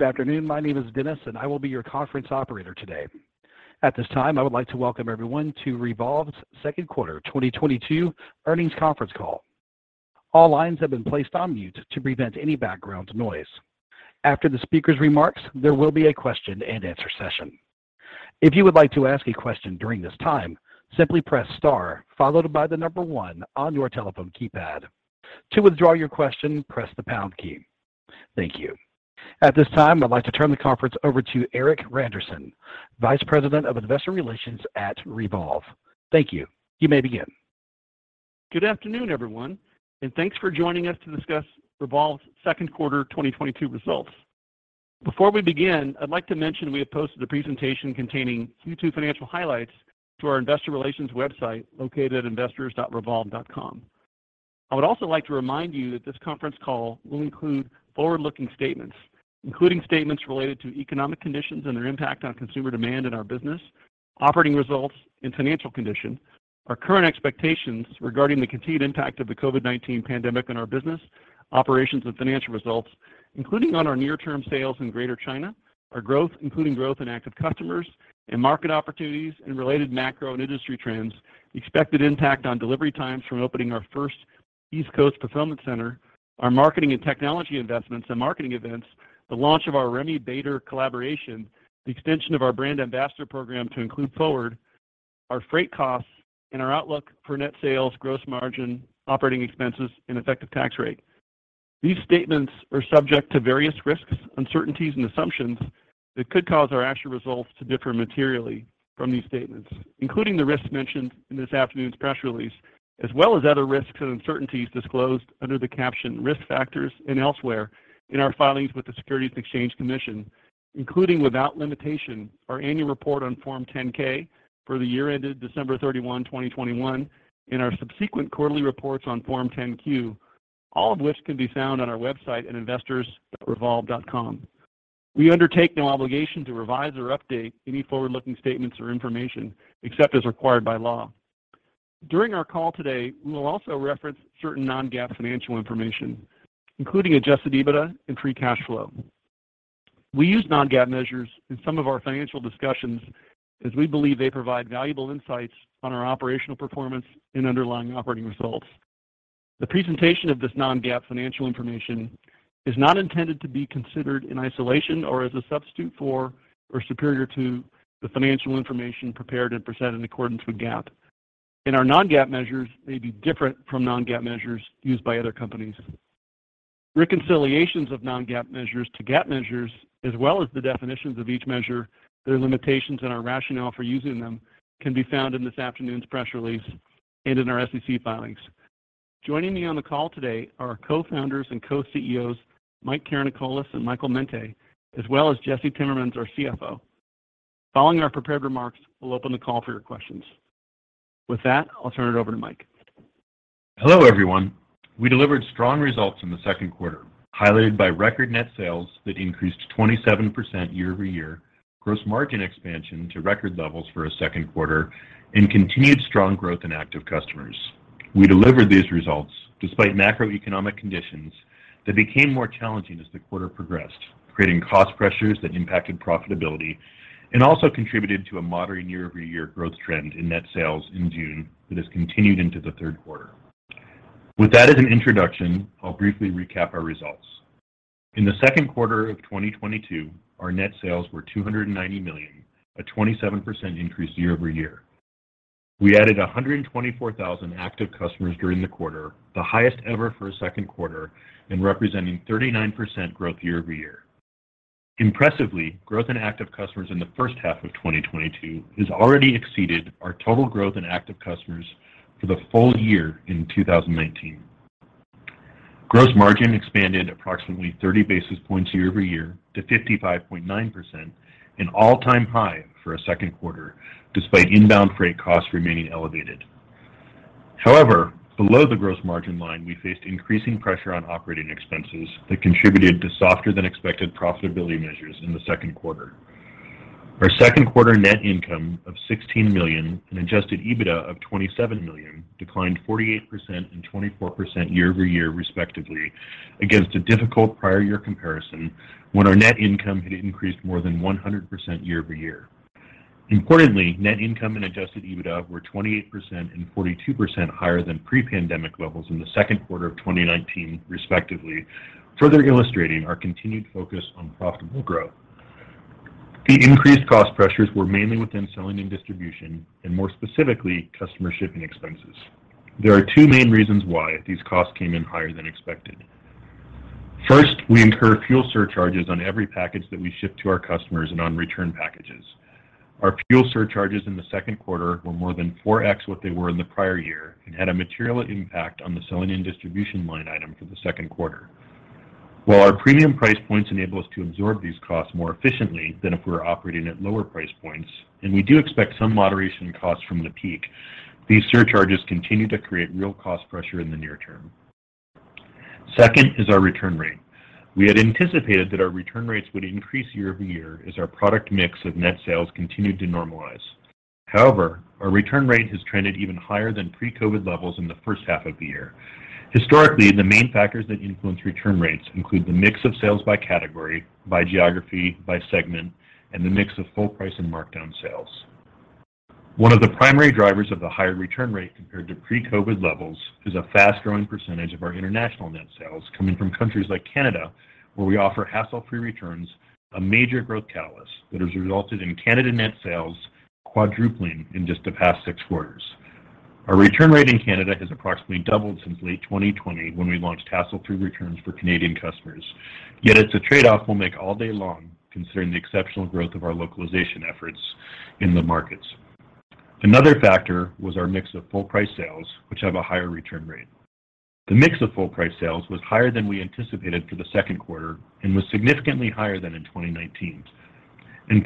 Good afternoon, my name is Dennis, and I will be your conference operator today. At this time, I would like to welcome everyone to REVOLVE's second quarter 2022 earnings conference call. All lines have been placed on mute to prevent any background noise. After the speaker's remarks, there will be a question-and-answer session. If you would like to ask a question during this time, simply press star followed by the number one on your telephone keypad. To withdraw your question, press the pound key. Thank you. At this time, I'd like to turn the conference over to Erik Randerson, Vice President of Investor Relations at REVOLVE. Thank you. You may begin. Good afternoon, everyone, and thanks for joining us to discuss REVOLVE's second quarter 2022 results. Before we begin, I'd like to mention we have posted a presentation containing Q2 financial highlights to our investor relations website located at investors.revolve.com. I would also like to remind you that this conference call will include forward-looking statements, including statements related to economic conditions and their impact on consumer demand in our business, operating results, and financial condition. Our current expectations regarding the continued impact of the COVID-19 pandemic on our business, operations, and financial results, including on our near-term sales in Greater China, our growth, including growth in active customers and market opportunities, and related macro and industry trends, the expected impact on delivery times from opening our first East Coast fulfillment center, our marketing and technology investments and marketing events, the launch of our Remi Bader collaboration, the extension of our brand ambassador program to include FWRD, our freight costs, and our outlook for net sales, gross margin, operating expenses, and effective tax rate. These statements are subject to various risks, uncertainties, and assumptions that could cause our actual results to differ materially from these statements, including the risks mentioned in this afternoon's press release, as well as other risks and uncertainties disclosed under the caption Risk Factors and elsewhere in our filings with the Securities and Exchange Commission, including, without limitation, our annual report on Form 10-K for the year ended December 31, 2021, and our subsequent quarterly reports on Form 10-Q, all of which can be found on our website at investors.revolve.com. We undertake no obligation to revise or update any forward-looking statements or information except as required by law. During our call today, we will also reference certain non-GAAP financial information, including Adjusted EBITDA and free cash flow. We use non-GAAP measures in some of our financial discussions as we believe they provide valuable insights on our operational performance and underlying operating results. The presentation of this non-GAAP financial information is not intended to be considered in isolation or as a substitute for or superior to the financial information prepared and presented in accordance with GAAP. Our non-GAAP measures may be different from non-GAAP measures used by other companies. Reconciliations of non-GAAP measures to GAAP measures as well as the definitions of each measure, their limitations and our rationale for using them, can be found in this afternoon's press release and in our SEC filings. Joining me on the call today are our Co-Founders and Co-CEOs, Mike Karanikolas and Michael Mente, as well as Jesse Timmermans, our CFO. Following our prepared remarks, we'll open the call for your questions. With that, I'll turn it over to Mike. Hello, everyone. We delivered strong results in the second quarter, highlighted by record net sales that increased 27% year over year, gross margin expansion to record levels for a second quarter, and continued strong growth in active customers. We delivered these results despite macroeconomic conditions that became more challenging as the quarter progressed, creating cost pressures that impacted profitability and also contributed to a moderate year-over-year growth trend in net sales in June that has continued into the third quarter. With that as an introduction, I'll briefly recap our results. In the second quarter of 2022, our net sales were $290 million, a 27% increase year over year. We added 124,000 active customers during the quarter, the highest ever for a second quarter and representing 39% growth year over year. Impressively, growth in active customers in the first half of 2022 has already exceeded our total growth in active customers for the full year in 2019. Gross margin expanded approximately 30 basis points year-over-year to 55.9%, an all-time high for a second quarter, despite inbound freight costs remaining elevated. However, below the gross margin line, we faced increasing pressure on operating expenses that contributed to softer than expected profitability measures in the second quarter. Our second quarter net income of $16 million and Adjusted EBITDA of $27 million declined 48% and 24% year-over-year, respectively, against a difficult prior year comparison when our net income had increased more than 100% year-over-year. Importantly, net income and Adjusted EBITDA were 28% and 42% higher than pre-pandemic levels in the second quarter of 2019, respectively, further illustrating our continued focus on profitable growth. The increased cost pressures were mainly within selling and distribution and more specifically, customer shipping expenses. There are two main reasons why these costs came in higher than expected. First, we incur fuel surcharges on every package that we ship to our customers and on return packages. Our fuel surcharges in the second quarter were more than 4x what they were in the prior year and had a material impact on the selling and distribution line item for the second quarter. While our premium price points enable us to absorb these costs more efficiently than if we were operating at lower price points, and we do expect some moderation in costs from the peak, these surcharges continue to create real cost pressure in the near term. Second is our return rate. We had anticipated that our return rates would increase year-over-year as our product mix of net sales continued to normalize. However, our return rate has trended even higher than pre-COVID levels in the first half of the year. Historically, the main factors that influence return rates include the mix of sales by category, by geography, by segment, and the mix of full price and markdown sales. One of the primary drivers of the higher return rate compared to pre-COVID levels is a fast-growing percentage of our international net sales coming from countries like Canada, where we offer hassle-free returns, a major growth catalyst that has resulted in Canada net sales quadrupling in just the past six quarters. Our return rate in Canada has approximately doubled since late 2020 when we launched hassle-free returns for Canadian customers. Yet it's a trade-off we'll make all day long considering the exceptional growth of our localization efforts in the markets. Another factor was our mix of full price sales, which have a higher return rate. The mix of full price sales was higher than we anticipated for the second quarter and was significantly higher than in 2019.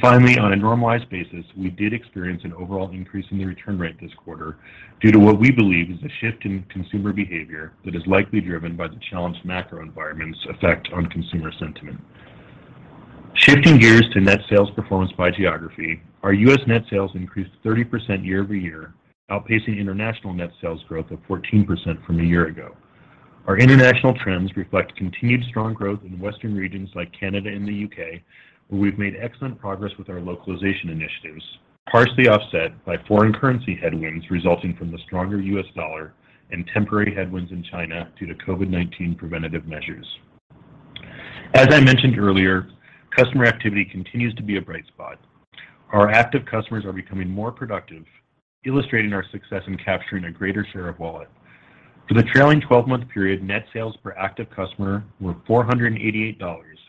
Finally, on a normalized basis, we did experience an overall increase in the return rate this quarter due to what we believe is a shift in consumer behavior that is likely driven by the challenged macro environment's effect on consumer sentiment. Shifting gears to net sales performance by geography, our U.S. net sales increased 30% year-over-year, outpacing international net sales growth of 14% from a year ago. Our international trends reflect continued strong growth in Western regions like Canada and the U.K., where we've made excellent progress with our localization initiatives, partially offset by foreign currency headwinds resulting from the stronger U.S. dollar and temporary headwinds in China due to COVID-19 preventative measures. As I mentioned earlier, customer activity continues to be a bright spot. Our active customers are becoming more productive, illustrating our success in capturing a greater share of wallet. For the trailing 12-month period, net sales per active customer were $488,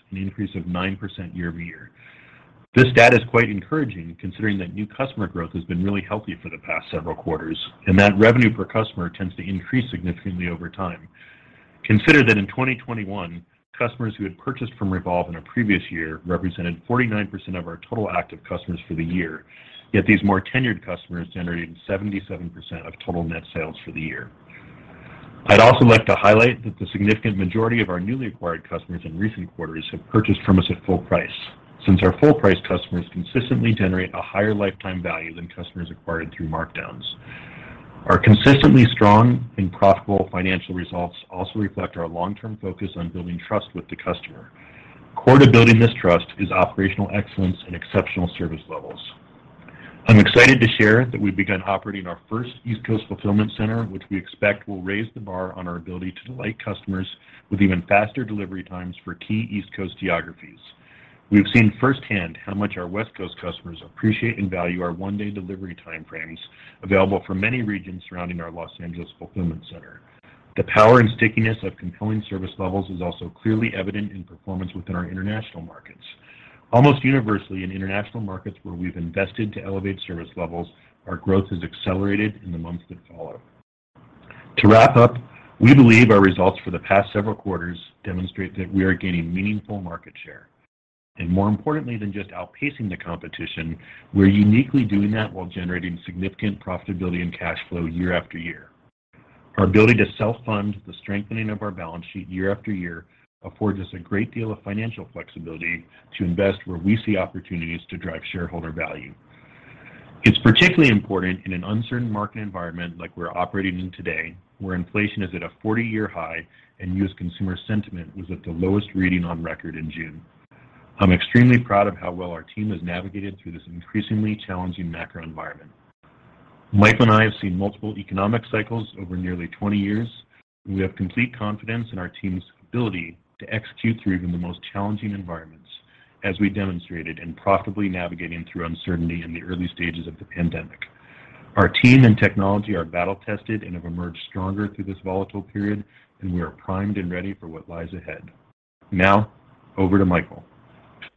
an increase of 9% year over year. This data is quite encouraging considering that new customer growth has been really healthy for the past several quarters, and that revenue per customer tends to increase significantly over time. Consider that in 2021, customers who had purchased from REVOLVE in a previous year represented 49% of our total active customers for the year. Yet these more tenured customers generated 77% of total net sales for the year. I'd also like to highlight that the significant majority of our newly acquired customers in recent quarters have purchased from us at full price, since our full price customers consistently generate a higher lifetime value than customers acquired through markdowns. Our consistently strong and profitable financial results also reflect our long-term focus on building trust with the customer. Core to building this trust is operational excellence and exceptional service levels. I'm excited to share that we've begun operating our first East Coast fulfillment center, which we expect will raise the bar on our ability to delight customers with even faster delivery times for key East Coast geographies. We have seen firsthand how much our West Coast customers appreciate and value our one-day delivery time frames available for many regions surrounding our Los Angeles fulfillment center. The power and stickiness of compelling service levels is also clearly evident in performance within our international markets. Almost universally in international markets where we've invested to elevate service levels, our growth has accelerated in the months that follow. To wrap up, we believe our results for the past several quarters demonstrate that we are gaining meaningful market share. More importantly than just outpacing the competition, we're uniquely doing that while generating significant profitability and cash flow year after year. Our ability to self-fund the strengthening of our balance sheet year after year affords us a great deal of financial flexibility to invest where we see opportunities to drive shareholder value. It's particularly important in an uncertain market environment like we're operating in today, where inflation is at a 40-year high and U.S. consumer sentiment was at the lowest reading on record in June. I'm extremely proud of how well our team has navigated through this increasingly challenging macro environment. Michael and I have seen multiple economic cycles over nearly 20 years. We have complete confidence in our team's ability to execute through even the most challenging environments, as we demonstrated in profitably navigating through uncertainty in the early stages of the pandemic. Our team and technology are battle tested and have emerged stronger through this volatile period, and we are primed and ready for what lies ahead. Now, over to Michael.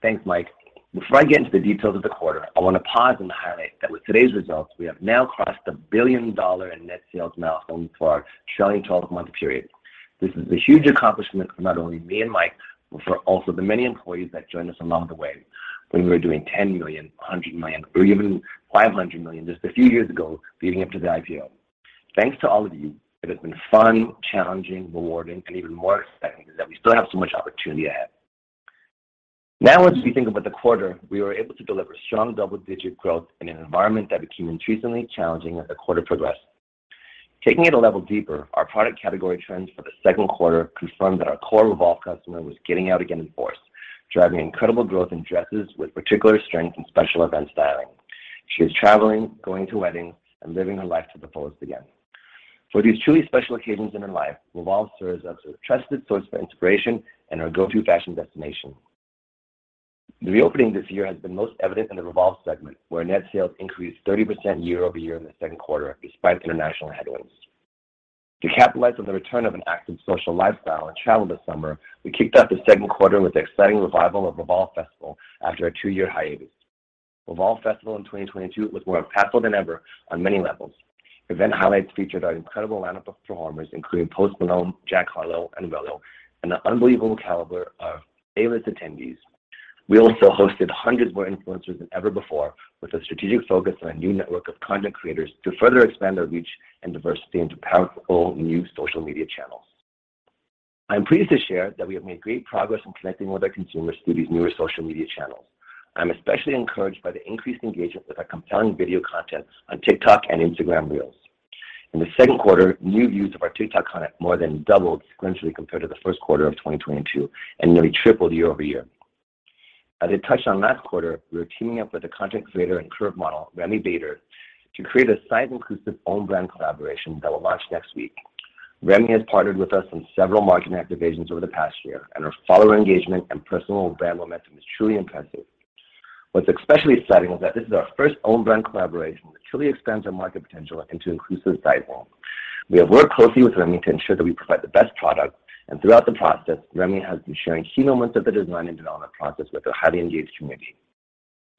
Thanks, Mike. Before I get into the details of the quarter, I want to pause and highlight that with today's results, we have now crossed the $1 billion in net sales milestone for our trailing 12-month period. This is a huge accomplishment for not only me and Mike, but for also the many employees that joined us along the way when we were doing $10 million, $100 million, or even $500 million just a few years ago, leading up to the IPO. Thanks to all of you. It has been fun, challenging, rewarding, and even more exciting is that we still have so much opportunity ahead. Now, as we think about the quarter, we were able to deliver strong double-digit growth in an environment that became increasingly challenging as the quarter progressed. Taking it a level deeper, our product category trends for the second quarter confirmed that our core REVOLVE customer was getting out again in force, driving incredible growth in dresses with particular strength in special event styling. She is traveling, going to weddings, and living her life to the fullest again. For these truly special occasions in her life, REVOLVE serves as her trusted source for inspiration and her go-to fashion destination. The reopening this year has been most evident in the REVOLVE segment, where net sales increased 30% year-over-year in the second quarter despite international headwinds. To capitalize on the return of an active social lifestyle and travel this summer, we kicked off the second quarter with the exciting revival of REVOLVE Festival after a two-year hiatus. REVOLVE Festival in 2022 was more impactful than ever on many levels. Event highlights featured our incredible lineup of performers, including Post Malone, Jack Harlow, and Willow, and the unbelievable caliber of A-list attendees. We also hosted hundreds more influencers than ever before, with a strategic focus on a new network of content creators to further expand our reach and diversity into powerful new social media channels. I'm pleased to share that we have made great progress in connecting with our consumers through these newer social media channels. I'm especially encouraged by the increased engagement with our compelling video content on TikTok and Instagram Reels. In the second quarter, new views of our TikTok content more than doubled sequentially compared to the first quarter of 2022, and nearly tripled year-over-year. As I touched on last quarter, we are teaming up with the content creator and curve model, Remi Bader, to create a size-inclusive own brand collaboration that will launch next week. Remi has partnered with us on several marketing activations over the past year, and her follower engagement and personal brand momentum is truly impressive. What's especially exciting is that this is our first own brand collaboration, which truly expands our market potential into inclusive size forms. We have worked closely with Remi to ensure that we provide the best product, and throughout the process, Remi has been sharing key moments of the design and development process with her highly engaged community.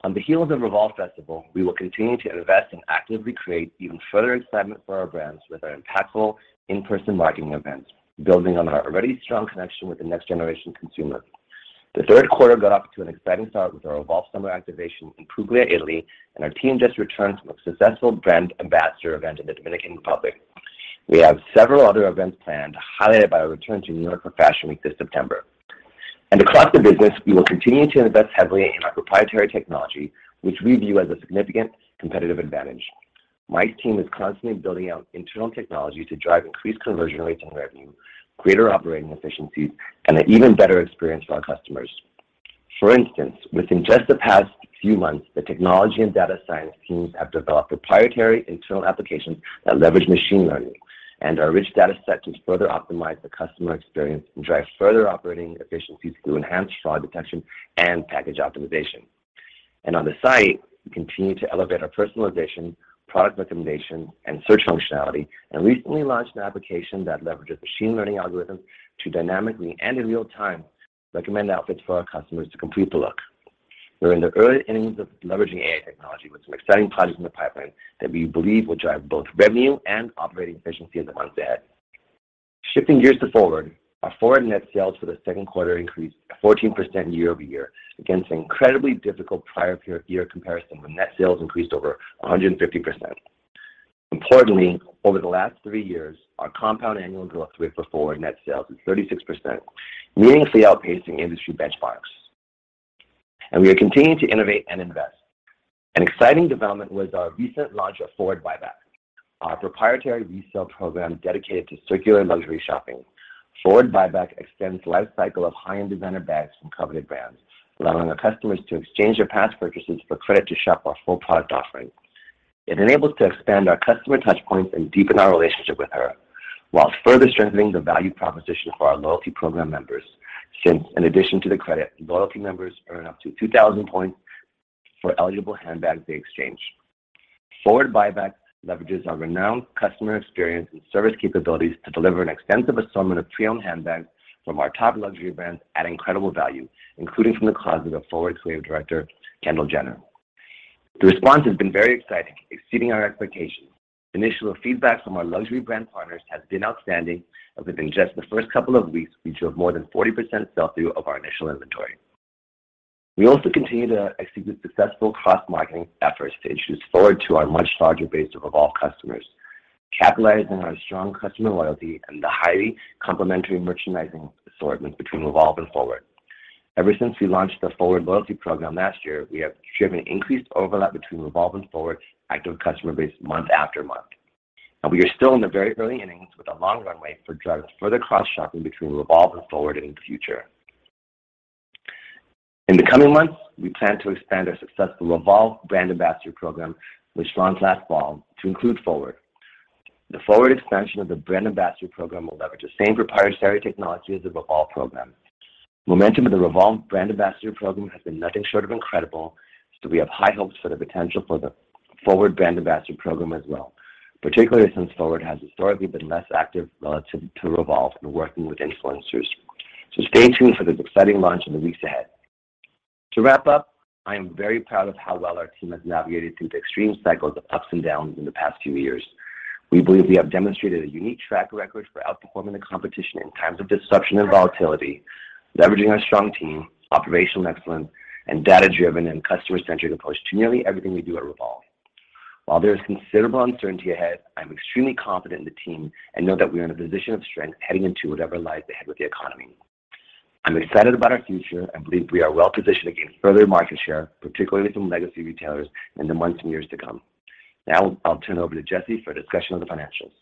On the heels of REVOLVE Festival, we will continue to invest and actively create even further excitement for our brands with our impactful in-person marketing events, building on our already strong connection with the next generation consumer. The third quarter got off to an exciting start with our REVOLVE Summer Activation in Puglia, Italy, and our team just returned from a successful brand ambassador event in the Dominican Republic. We have several other events planned, highlighted by our return to New York for Fashion Week this September. Across the business, we will continue to invest heavily in our proprietary technology, which we view as a significant competitive advantage. Mike's team is constantly building out internal technology to drive increased conversion rates and revenue, greater operating efficiencies, and an even better experience for our customers. For instance, within just the past few months, the technology and data science teams have developed proprietary internal applications that leverage machine learning and our rich data set to further optimize the customer experience and drive further operating efficiencies through enhanced fraud detection and package optimization. On the site, we continue to elevate our personalization, product recommendation, and search functionality, and recently launched an application that leverages machine learning algorithms to dynamically and in real time recommend outfits for our customers to complete the look. We're in the early innings of leveraging AI technology with some exciting projects in the pipeline that we believe will drive both revenue and operating efficiency in the months ahead. Shifting gears to FWRD, our FWRD net sales for the second quarter increased 14% year-over-year against an incredibly difficult prior year comparison when net sales increased over 150%. Importantly, over the last three years, our compound annual growth rate for FWRD net sales is 36%, meaningfully outpacing industry benchmarks. We are continuing to innovate and invest. An exciting development was our recent launch of FWRD Buyback, our proprietary resale program dedicated to circular luxury shopping. FWRD Buyback extends the life cycle of high-end designer bags from coveted brands, allowing our customers to exchange their past purchases for credit to shop our full product offering. It enables to expand our customer touch points and deepen our relationship with her, while further strengthening the value proposition for our loyalty program members. Since in addition to the credit, loyalty members earn up to 2,000 points for eligible handbags they exchange. FWRD Buyback leverages our renowned customer experience and service capabilities to deliver an extensive assortment of pre-owned handbags from our top luxury brands at incredible value, including from the closet of FWRD Creative Director, Kendall Jenner. The response has been very exciting, exceeding our expectations. Initial feedback from our luxury brand partners has been outstanding, and within just the first couple of weeks, we drove more than 40% sell-through of our initial inventory. We also continue to execute successful cross-marketing efforts to introduce FWRD to our much larger base of REVOLVE customers, capitalizing on our strong customer loyalty and the highly complementary merchandising assortment between REVOLVE and FWRD. Ever since we launched the FWRD loyalty program last year, we have driven increased overlap between REVOLVE and FWRD active customer base month after month. We are still in the very early innings with a long runway for driving further cross-shopping between REVOLVE and FWRD in the future. In the coming months, we plan to expand our successful REVOLVE brand ambassador program, which launched last fall, to include FWRD. The FWRD expansion of the brand ambassador program will leverage the same proprietary technology as the REVOLVE program. Momentum of the REVOLVE brand ambassador program has been nothing short of incredible, so we have high hopes for the potential for the FWRD brand ambassador program as well, particularly since FWRD has historically been less active relative to REVOLVE in working with influencers. Stay tuned for this exciting launch in the weeks ahead. To wrap up, I am very proud of how well our team has navigated through the extreme cycles of ups and downs in the past few years. We believe we have demonstrated a unique track record for outperforming the competition in times of disruption and volatility, leveraging our strong team, operational excellence, and data-driven and customer-centric approach to nearly everything we do at REVOLVE. While there is considerable uncertainty ahead, I'm extremely confident in the team and know that we are in a position of strength heading into whatever lies ahead with the economy. I'm excited about our future and believe we are well-positioned to gain further market share, particularly from legacy retailers, in the months and years to come. Now, I'll turn it over to Jesse for a discussion of the financials.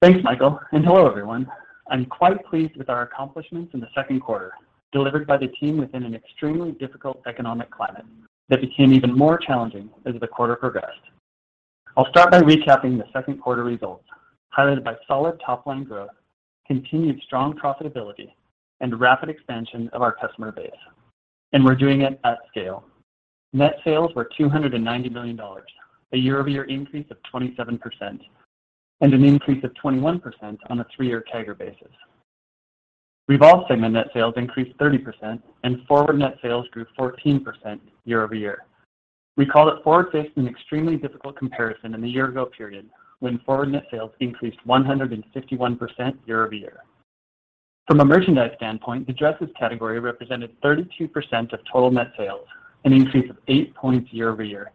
Thanks, Michael, and hello, everyone. I'm quite pleased with our accomplishments in the second quarter, delivered by the team within an extremely difficult economic climate that became even more challenging as the quarter progressed. I'll start by recapping the second quarter results, highlighted by solid top-line growth, continued strong profitability, and rapid expansion of our customer base, and we're doing it at scale. Net sales were $290 million, a year-over-year increase of 27%, and an increase of 21% on a three-year CAGR basis. REVOLVE segment net sales increased 30%, and FWRD net sales grew 14% year-over-year. We note that FWRD faced an extremely difficult comparison in the year ago period, when FWRD net sales increased 151% year-over-year. From a merchandise standpoint, the dresses category represented 32% of total net sales, an increase of 8 points year-over-year.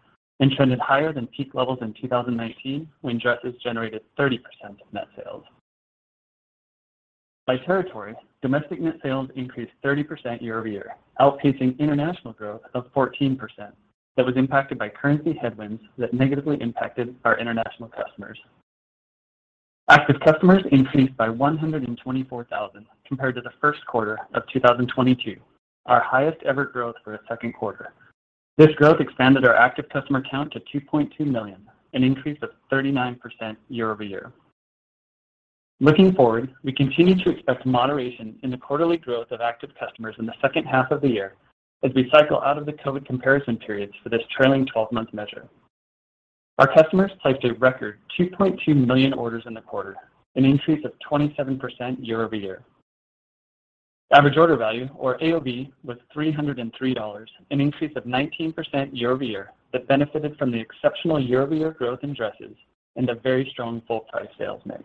Trended higher than peak levels in 2019 when dresses generated 30% of net sales. By territory, domestic net sales increased 30% year-over-year, outpacing international growth of 14% that was impacted by currency headwinds that negatively impacted our international customers. Active customers increased by 124,000 compared to the first quarter of 2022, our highest ever growth for a second quarter. This growth expanded our active customer count to 2.2 million, an increase of 39% year-over-year. Looking forward, we continue to expect moderation in the quarterly growth of active customers in the second half of the year as we cycle out of the COVID comparison periods for this trailing 12-month measure. Our customers placed a record 2.2 million orders in the quarter, an increase of 27% year-over-year. Average order value, or AOV, was $303, an increase of 19% year-over-year that benefited from the exceptional year-over-year growth in dresses and a very strong full price sales mix.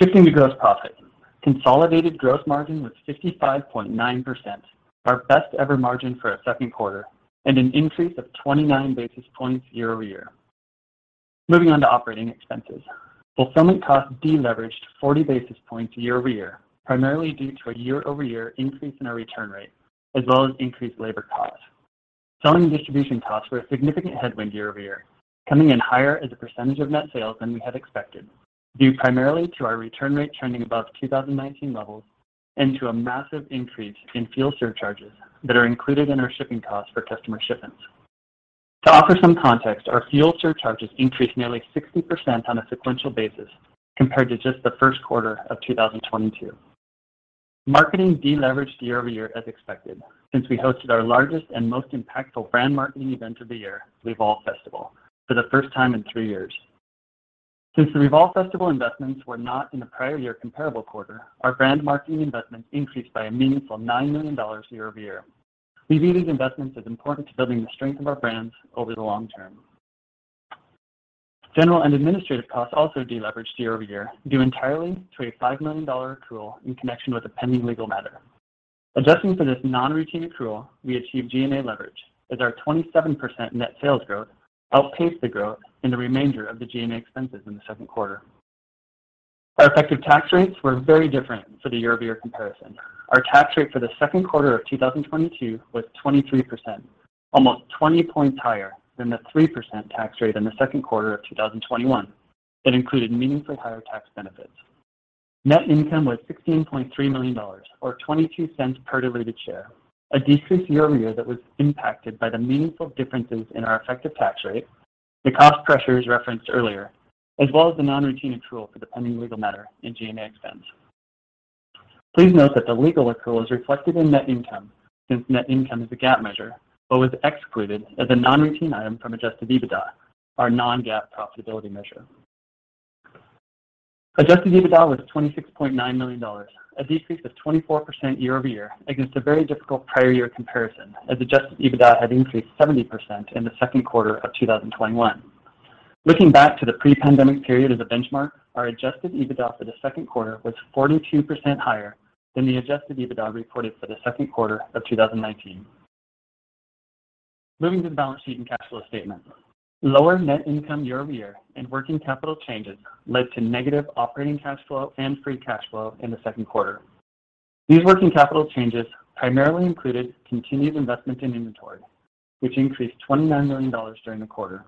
Shifting to gross profit. Consolidated gross margin was 55.9%, our best ever margin for a second quarter, and an increase of 29 basis points year-over-year. Moving on to operating expenses. Fulfillment costs deleveraged 40 basis points year-over-year, primarily due to a year-over-year increase in our return rate, as well as increased labor costs. Selling and distribution costs were a significant headwind year-over-year, coming in higher as a percentage of net sales than we had expected, due primarily to our return rate trending above 2019 levels and to a massive increase in fuel surcharges that are included in our shipping costs for customer shipments. To offer some context, our fuel surcharges increased nearly 60% on a sequential basis compared to just the first quarter of 2022. Marketing deleveraged year-over-year as expected, since we hosted our largest and most impactful brand marketing event of the year, REVOLVE Festival, for the first time in three years. Since the REVOLVE Festival investments were not in the prior year comparable quarter, our brand marketing investments increased by a meaningful $9 million year-over-year. We view these investments as important to building the strength of our brands over the long term. General and administrative costs also deleveraged year-over-year, due entirely to a $5 million accrual in connection with a pending legal matter. Adjusting for this non-routine accrual, we achieved G&A leverage as our 27% net sales growth outpaced the growth in the remainder of the G&A expenses in the second quarter. Our effective tax rates were very different for the year-over-year comparison. Our tax rate for the second quarter of 2022 was 23%, almost 20 points higher than the 3% tax rate in the second quarter of 2021 that included meaningfully higher tax benefits. Net income was $16.3 million, or $0.22 per diluted share, a decrease year-over-year that was impacted by the meaningful differences in our effective tax rate, the cost pressures referenced earlier, as well as the non-routine accrual for the pending legal matter in G&A expense. Please note that the legal accrual is reflected in net income since net income is a GAAP measure, but was excluded as a non-routine item from Adjusted EBITDA, our non-GAAP profitability measure. Adjusted EBITDA was $26.9 million, a decrease of 24% year-over-year against a very difficult prior year comparison as Adjusted EBITDA had increased 70% in the second quarter of 2021. Looking back to the pre-pandemic period as a benchmark, our Adjusted EBITDA for the second quarter was 42% higher than the Adjusted EBITDA reported for the second quarter of 2019. Moving to the balance sheet and cash flow statement. Lower net income year-over-year and working capital changes led to negative operating cash flow and free cash flow in the second quarter. These working capital changes primarily included continued investment in inventory, which increased $29 million during the quarter.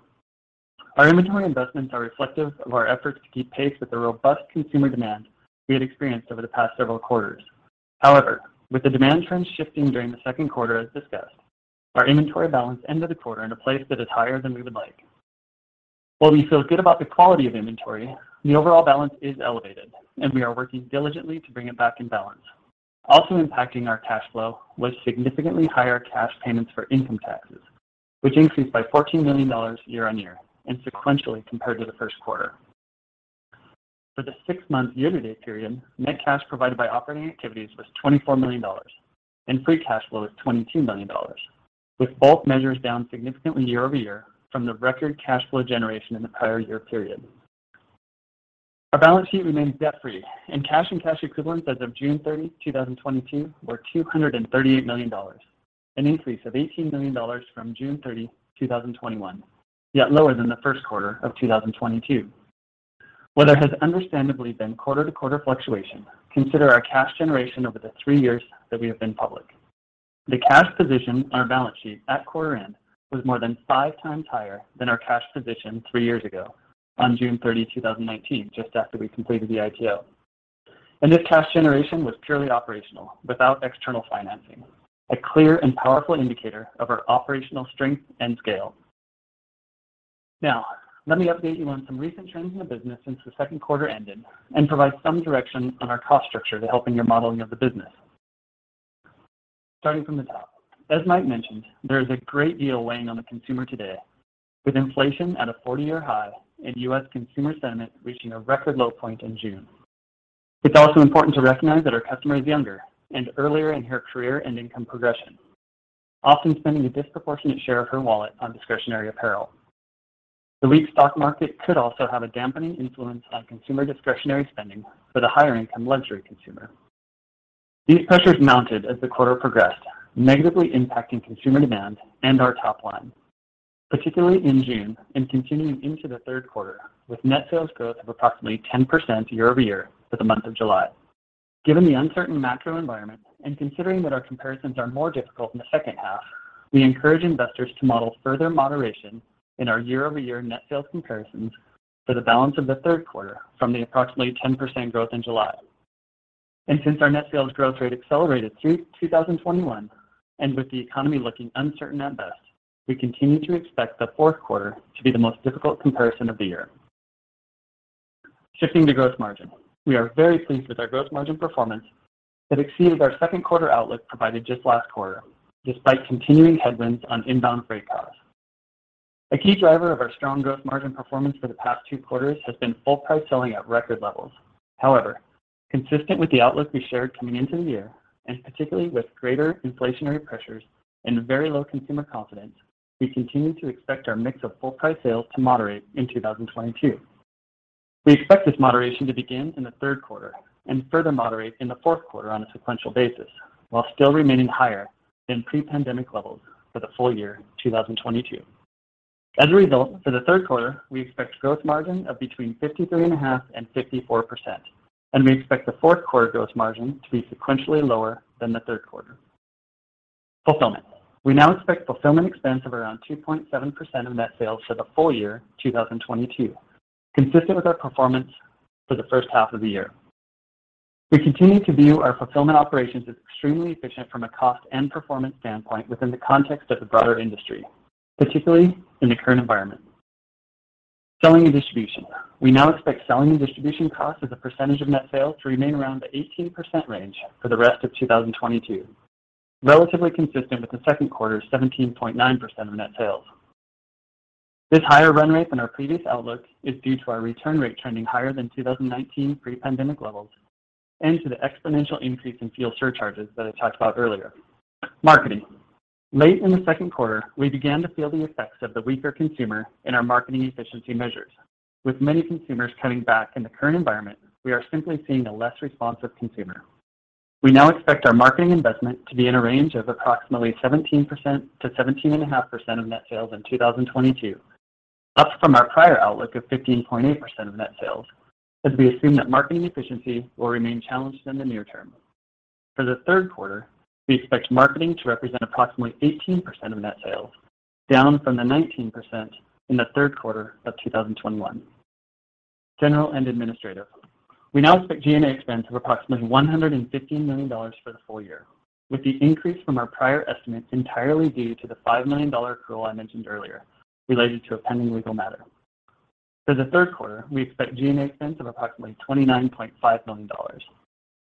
Our inventory investments are reflective of our efforts to keep pace with the robust consumer demand we had experienced over the past several quarters. However, with the demand trends shifting during the second quarter as discussed, our inventory balance ended the quarter in a place that is higher than we would like. While we feel good about the quality of inventory, the overall balance is elevated and we are working diligently to bring it back in balance. Also impacting our cash flow was significantly higher cash payments for income taxes, which increased by $14 million year-over-year and sequentially compared to the first quarter. For the six-month year-to-date period, net cash provided by operating activities was $24 million and free cash flow was $22 million, with both measures down significantly year-over-year from the record cash flow generation in the prior year period. Our balance sheet remains debt-free, and cash and cash equivalents as of June 30, 2022 were $238 million, an increase of $18 million from June 30, 2021, yet lower than the first quarter of 2022. While there has understandably been quarter-to-quarter fluctuation, consider our cash generation over the three years that we have been public. The cash position on our balance sheet at quarter end was more than five times higher than our cash position three years ago on June 30, 2019, just after we completed the IPO. This cash generation was purely operational without external financing, a clear and powerful indicator of our operational strength and scale. Now, let me update you on some recent trends in the business since the second quarter ended and provide some direction on our cost structure to helping your modeling of the business. Starting from the top. As Mike mentioned, there is a great deal weighing on the consumer today, with inflation at a 40-year high and U.S. consumer sentiment reaching a record low point in June. It's also important to recognize that our customer is younger and earlier in her career and income progression, often spending a disproportionate share of her wallet on discretionary apparel. The weak stock market could also have a dampening influence on consumer discretionary spending for the higher income luxury consumer. These pressures mounted as the quarter progressed, negatively impacting consumer demand and our top line, particularly in June and continuing into the third quarter, with net sales growth of approximately 10% year-over-year for the month of July. Given the uncertain macro environment and considering that our comparisons are more difficult in the second half, we encourage investors to model further moderation in our year-over-year net sales comparisons for the balance of the third quarter from the approximately 10% growth in July. Since our net sales growth rate accelerated through 2021, and with the economy looking uncertain at best, we continue to expect the fourth quarter to be the most difficult comparison of the year. Shifting to gross margin. We are very pleased with our gross margin performance that exceeded our second quarter outlook provided just last quarter, despite continuing headwinds on inbound freight costs. A key driver of our strong gross margin performance for the past quarters has been full price selling at record levels. However, consistent with the outlook we shared coming into the year, and particularly with greater inflationary pressures and very low consumer confidence, we continue to expect our mix of full price sales to moderate in 2022. We expect this moderation to begin in the third quarter and further moderate in the fourth quarter on a sequential basis, while still remaining higher than pre-pandemic levels for the full year 2022. As a result, for the third quarter, we expect gross margin of between 53.5% and 54%, and we expect the fourth quarter gross margin to be sequentially lower than the third quarter. Fulfillment. We now expect fulfillment expense of around 2.7% of net sales for the full year 2022, consistent with our performance for the first half of the year. We continue to view our fulfillment operations as extremely efficient from a cost and performance standpoint within the context of the broader industry, particularly in the current environment. Selling and distribution. We now expect selling and distribution costs as a percentage of net sales to remain around the 18% range for the rest of 2022, relatively consistent with the second quarter's 17.9% of net sales. This higher run rate than our previous outlook is due to our return rate trending higher than 2019 pre-pandemic levels and to the exponential increase in fuel surcharges that I talked about earlier. Marketing. Late in the second quarter, we began to feel the effects of the weaker consumer in our marketing efficiency measures. With many consumers cutting back in the current environment, we are simply seeing a less responsive consumer. We now expect our marketing investment to be in a range of approximately 17%-17.5% of net sales in 2022, up from our prior outlook of 15.8% of net sales, as we assume that marketing efficiency will remain challenged in the near term. For the third quarter, we expect marketing to represent approximately 18% of net sales, down from the 19% in the third quarter of 2021. General and administrative. We now expect G&A expense of approximately $150 million for the full year, with the increase from our prior estimates entirely due to the $5 million accrual I mentioned earlier related to a pending legal matter. For the third quarter, we expect G&A expense of approximately $29.5 million.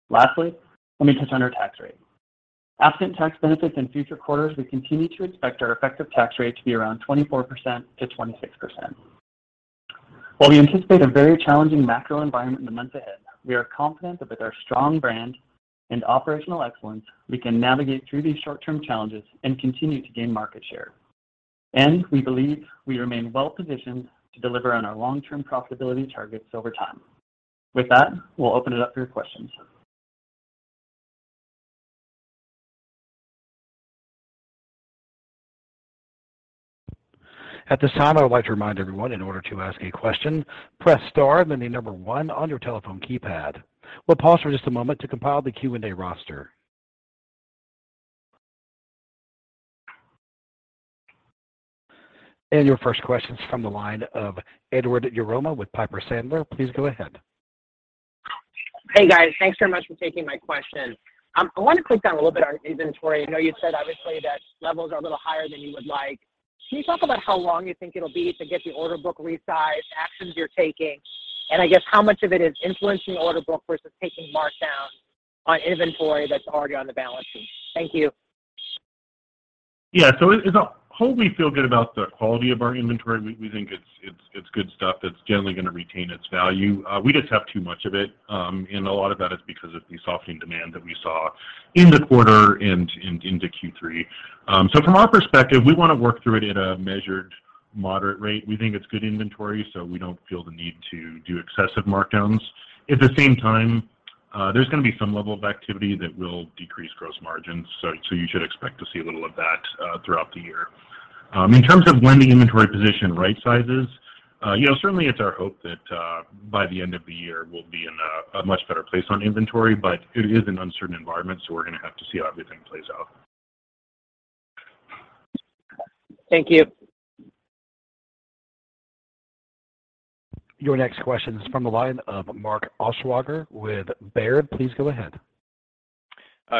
Lastly, let me touch on our tax rate. Absent tax benefits in future quarters, we continue to expect our effective tax rate to be around 24%-26%. While we anticipate a very challenging macro environment in the months ahead, we are confident that with our strong brand and operational excellence, we can navigate through these short-term challenges and continue to gain market share. We believe we remain well positioned to deliver on our long-term profitability targets over time. With that, we'll open it up for your questions. At this time, I would like to remind everyone, in order to ask a question, press star, then the number one on your telephone keypad. We'll pause for just a moment to compile the Q&A roster. Your first question is from the line of Edward Yruma with Piper Sandler. Please go ahead. Hey, guys. Thanks very much for taking my question. I want to click down a little bit on inventory. I know you said obviously that levels are a little higher than you would like. Can you talk about how long you think it'll be to get the order book resized, actions you're taking, and I guess how much of it is influencing the order book versus taking markdowns on inventory that's already on the balance sheet? Thank you. It's a whole we feel good about the quality of our inventory. We think it's good stuff that's generally gonna retain its value. We just have too much of it, and a lot of that is because of the softening demand that we saw in the quarter and into Q3. From our perspective, we want to work through it at a measured, moderate rate. We think it's good inventory, so we don't feel the need to do excessive markdowns. At the same time, there's gonna be some level of activity that will decrease gross margins, so you should expect to see a little of that throughout the year. In terms of when the inventory position right sizes, you know, certainly it's our hope that, by the end of the year we'll be in a much better place on inventory. It is an uncertain environment, so we're gonna have to see how everything plays out. Thank you. Your next question is from the line of Mark Altschwager with Baird. Please go ahead.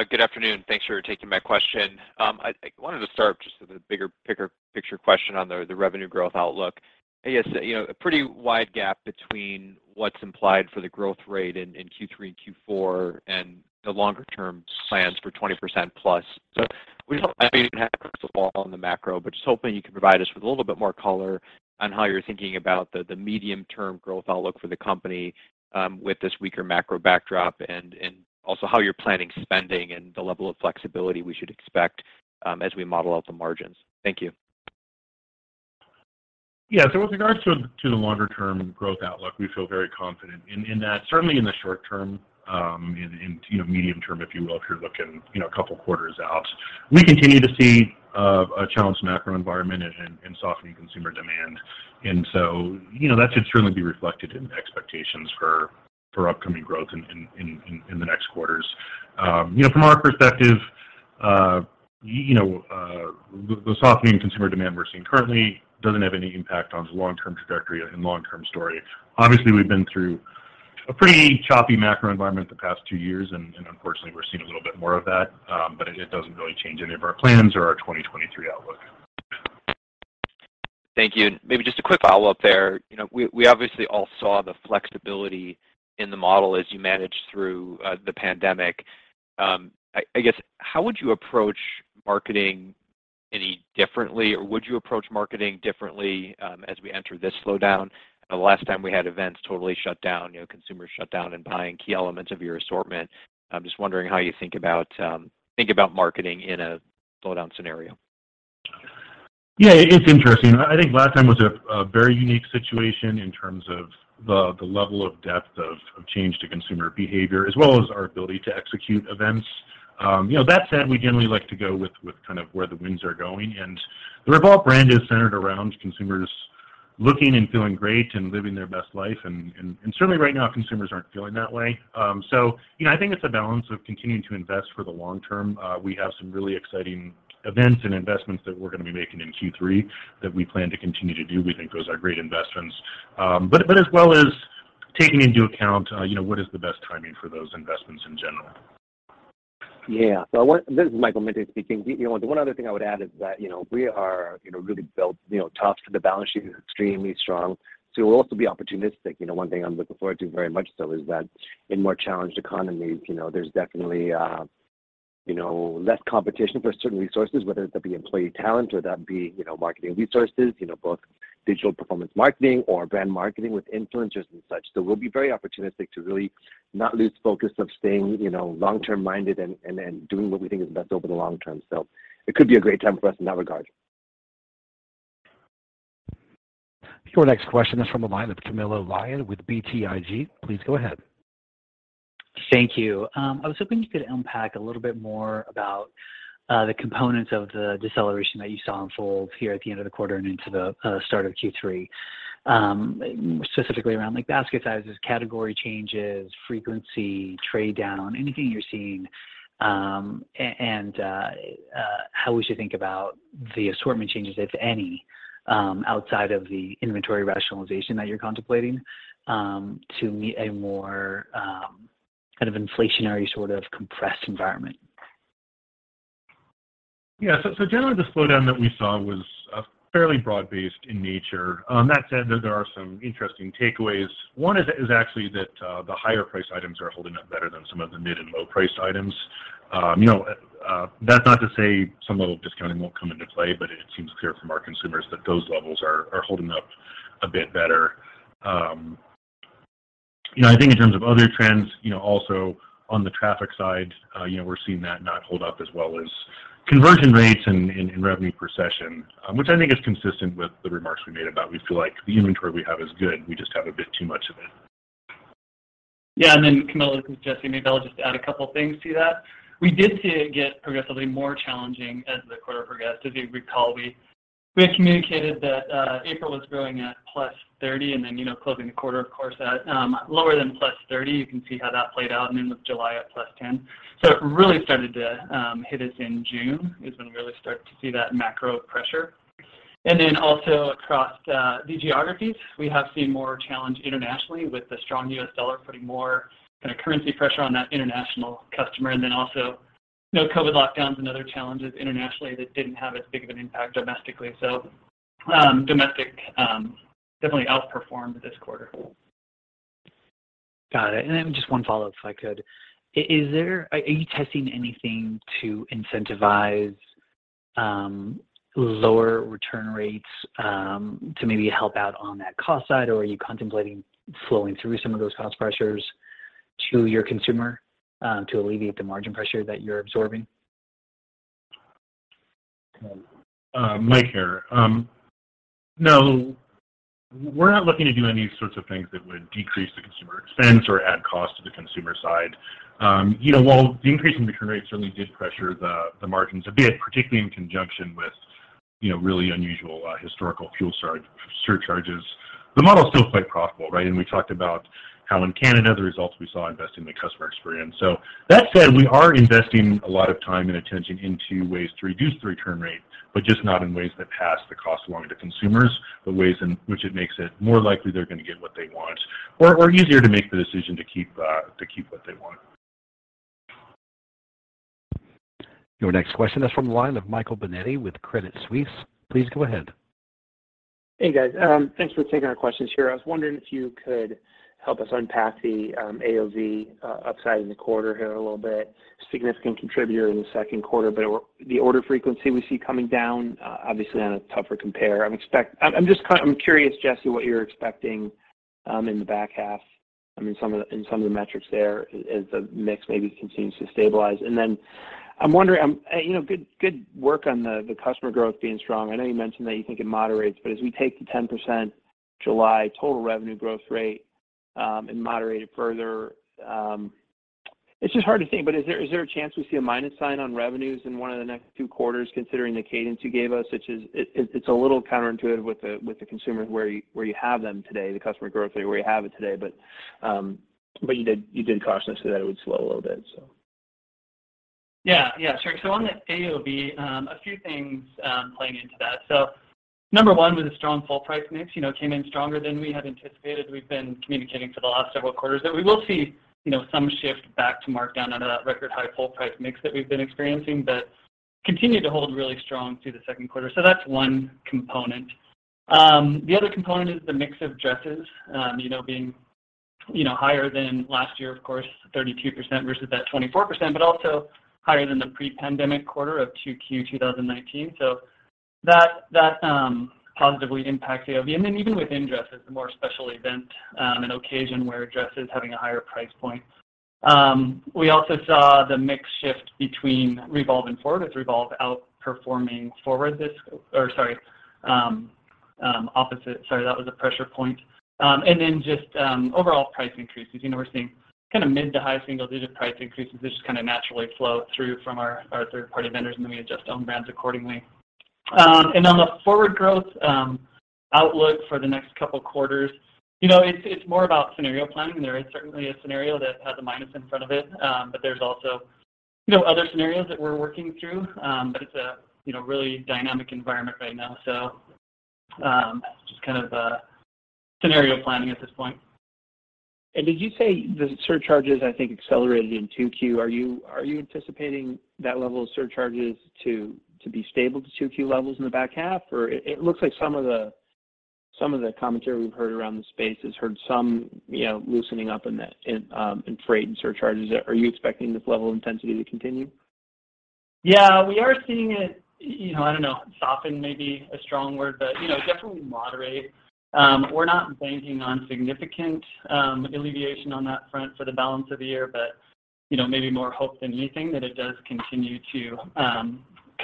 Good afternoon. Thanks for taking my question. I wanted to start just with a bigger picture question on the revenue growth outlook. I guess, you know, a pretty wide gap between what's implied for the growth rate in Q3 and Q4 and the longer term plans for 20% plus. We don't opine on the macro, but just hoping you can provide us with a little bit more color on how you're thinking about the medium term growth outlook for the company, with this weaker macro backdrop and also how you're planning spending and the level of flexibility we should expect, as we model out the margins. Thank you. Yeah. With regards to the longer term growth outlook, we feel very confident in that. Certainly in the short term, you know, medium term, if you will, if you're looking, you know, a couple quarters out, we continue to see a challenged macro environment and softening consumer demand. That should certainly be reflected in expectations for upcoming growth in the next quarters. From our perspective, the softening consumer demand we're seeing currently doesn't have any impact on the long-term trajectory and long-term story. Obviously, we've been through a pretty choppy macro environment the past two years, and unfortunately, we're seeing a little bit more of that. It doesn't really change any of our plans or our 2023 outlook. Thank you. Maybe just a quick follow-up there. You know, we obviously all saw the flexibility in the model as you managed through the pandemic. I guess, how would you approach marketing any differently, or would you approach marketing differently, as we enter this slowdown? The last time we had events totally shut down, you know, consumers shut down in buying key elements of your assortment. I'm just wondering how you think about marketing in a slowdown scenario. Yeah, it's interesting. I think last time was a very unique situation in terms of the level of depth of change to consumer behavior, as well as our ability to execute events. You know, that said, we generally like to go with kind of where the winds are going. The REVOLVE brand is centered around consumers looking and feeling great and living their best life. Certainly right now, consumers aren't feeling that way. You know, I think it's a balance of continuing to invest for the long term. We have some really exciting events and investments that we're gonna be making in Q3 that we plan to continue to do. We think those are great investments, as well as taking into account, you know, what is the best timing for those investments in general. This is Michael Mente speaking. You know, the one other thing I would add is that, you know, we are, you know, really built, you know, top to the balance sheet is extremely strong, so we'll also be opportunistic. You know, one thing I'm looking forward to very much so is that in more challenged economies, you know, there's definitely less competition for certain resources, whether that be employee talent or, you know, marketing resources, you know, both digital performance marketing or brand marketing with influencers and such. So we'll be very opportunistic to really not lose focus of staying, you know, long-term minded and then doing what we think is best over the long term. So it could be a great time for us in that regard. Your next question is from the line of Camilo Lyon with BTIG. Please go ahead. Thank you. I was hoping you could unpack a little bit more about the components of the deceleration that you saw unfold here at the end of the quarter and into the start of Q3, specifically around like basket sizes, category changes, frequency, trade down, anything you're seeing, and how we should think about the assortment changes, if any, outside of the inventory rationalization that you're contemplating to meet a more kind of inflationary sort of compressed environment. Yeah. Generally the slowdown that we saw was fairly broad-based in nature. That said, there are some interesting takeaways. One is actually that the higher priced items are holding up better than some of the mid and low priced items. You know, that's not to say some level of discounting won't come into play, but it seems clear from our consumers that those levels are holding up a bit better. You know, I think in terms of other trends, you know, also on the traffic side, you know, we're seeing that not hold up as well as conversion rates and revenue per session, which I think is consistent with the remarks we made about we feel like the inventory we have is good, we just have a bit too much of it. Yeah. Camilo, this is Jesse. Maybe I'll just add a couple things to that. We did see it get progressively more challenging as the quarter progressed. As you recall, we had communicated that April was growing at +30%, and then, you know, closing the quarter, of course, at lower than +30%. You can see how that played out. With July at +10%. It really started to hit us in June, is when we really started to see that macro pressure. Across the geographies, we have seen more challenge internationally with the strong U.S. dollar putting more kind of currency pressure on that international customer. You know, COVID lockdowns and other challenges internationally that didn't have as big of an impact domestically. Domestic definitely outperformed this quarter. Got it. Just one follow-up, if I could. Are you testing anything to incentivize lower return rates to maybe help out on that cost side? Or are you contemplating flowing through some of those cost pressures to your consumer to alleviate the margin pressure that you're absorbing? Mike here. No. We're not looking to do any sorts of things that would decrease the consumer expense or add cost to the consumer side. You know, while the increase in return rates certainly did pressure the margins a bit, particularly in conjunction with, you know, really unusual historical fuel surcharges, the model is still quite profitable, right? We talked about how in Canada, the results we saw investing in the customer experience. That said, we are investing a lot of time and attention into ways to reduce the return rate, but just not in ways that pass the cost along to consumers, but ways in which it makes it more likely they're gonna get what they want or easier to make the decision to keep what they want. Your next question is from the line of Michael Binetti with Credit Suisse. Please go ahead. Hey, guys. Thanks for taking our questions here. I was wondering if you could help us unpack the AOV upside in the quarter here a little bit. Significant contributor in the second quarter, but the order frequency we see coming down obviously on a tougher compare. I'm curious, Jesse, what you're expecting in the back half. I mean, some of the metrics there as the mix maybe continues to stabilize. I'm wondering, you know, good work on the customer growth being strong. I know you mentioned that you think it moderates, but as we take the 10% July total revenue growth rate and moderate it further, it's just hard to see. Is there a chance we see a minus sign on revenues in one of the next two quarters considering the cadence you gave us? It's a little counterintuitive with the consumer where you have them today, the customer growth rate where you have it today, but you did caution us that it would slow a little bit so. Yeah. Yeah, sure. On the AOV, a few things playing into that. Number one was a strong full price mix, you know, came in stronger than we had anticipated. We've been communicating for the last several quarters that we will see, you know, some shift back to markdown out of that record high full price mix that we've been experiencing, but continued to hold really strong through the second quarter. That's one component. The other component is the mix of dresses, you know, being, you know, higher than last year, of course, 32% versus that 24%, but also higher than the pre-pandemic quarter of 2Q 2019. That positively impacts AOV. Even within dresses, the more special event and occasion wear dresses having a higher price point. We also saw the mix shift between REVOLVE and FWRD with REVOLVE outperforming FWRD or sorry, opposite. That was a pressure point. Then just overall price increases. You know, we're seeing kinda mid- to high single-digit price increases that just kinda naturally flow through from our third-party vendors, and then we adjust own brands accordingly. On the forward growth outlook for the next couple quarters, you know, it's more about scenario planning. There is certainly a scenario that has a minus in front of it. There's also, you know, other scenarios that we're working through. It's a, you know, really dynamic environment right now, so just kind of scenario planning at this point. Did you say the surcharges, I think, accelerated in 2Q? Are you anticipating that level of surcharges to be stable to 2Q levels in the back half? Or it looks like some of the commentary we've heard around the space has heard some, you know, loosening up in the freight and surcharges. Are you expecting this level of intensity to continue? Yeah. We are seeing it, you know, I don't know, soften may be a strong word, but you know, definitely moderate. We're not banking on significant alleviation on that front for the balance of the year. You know, maybe more hope than anything that it does continue to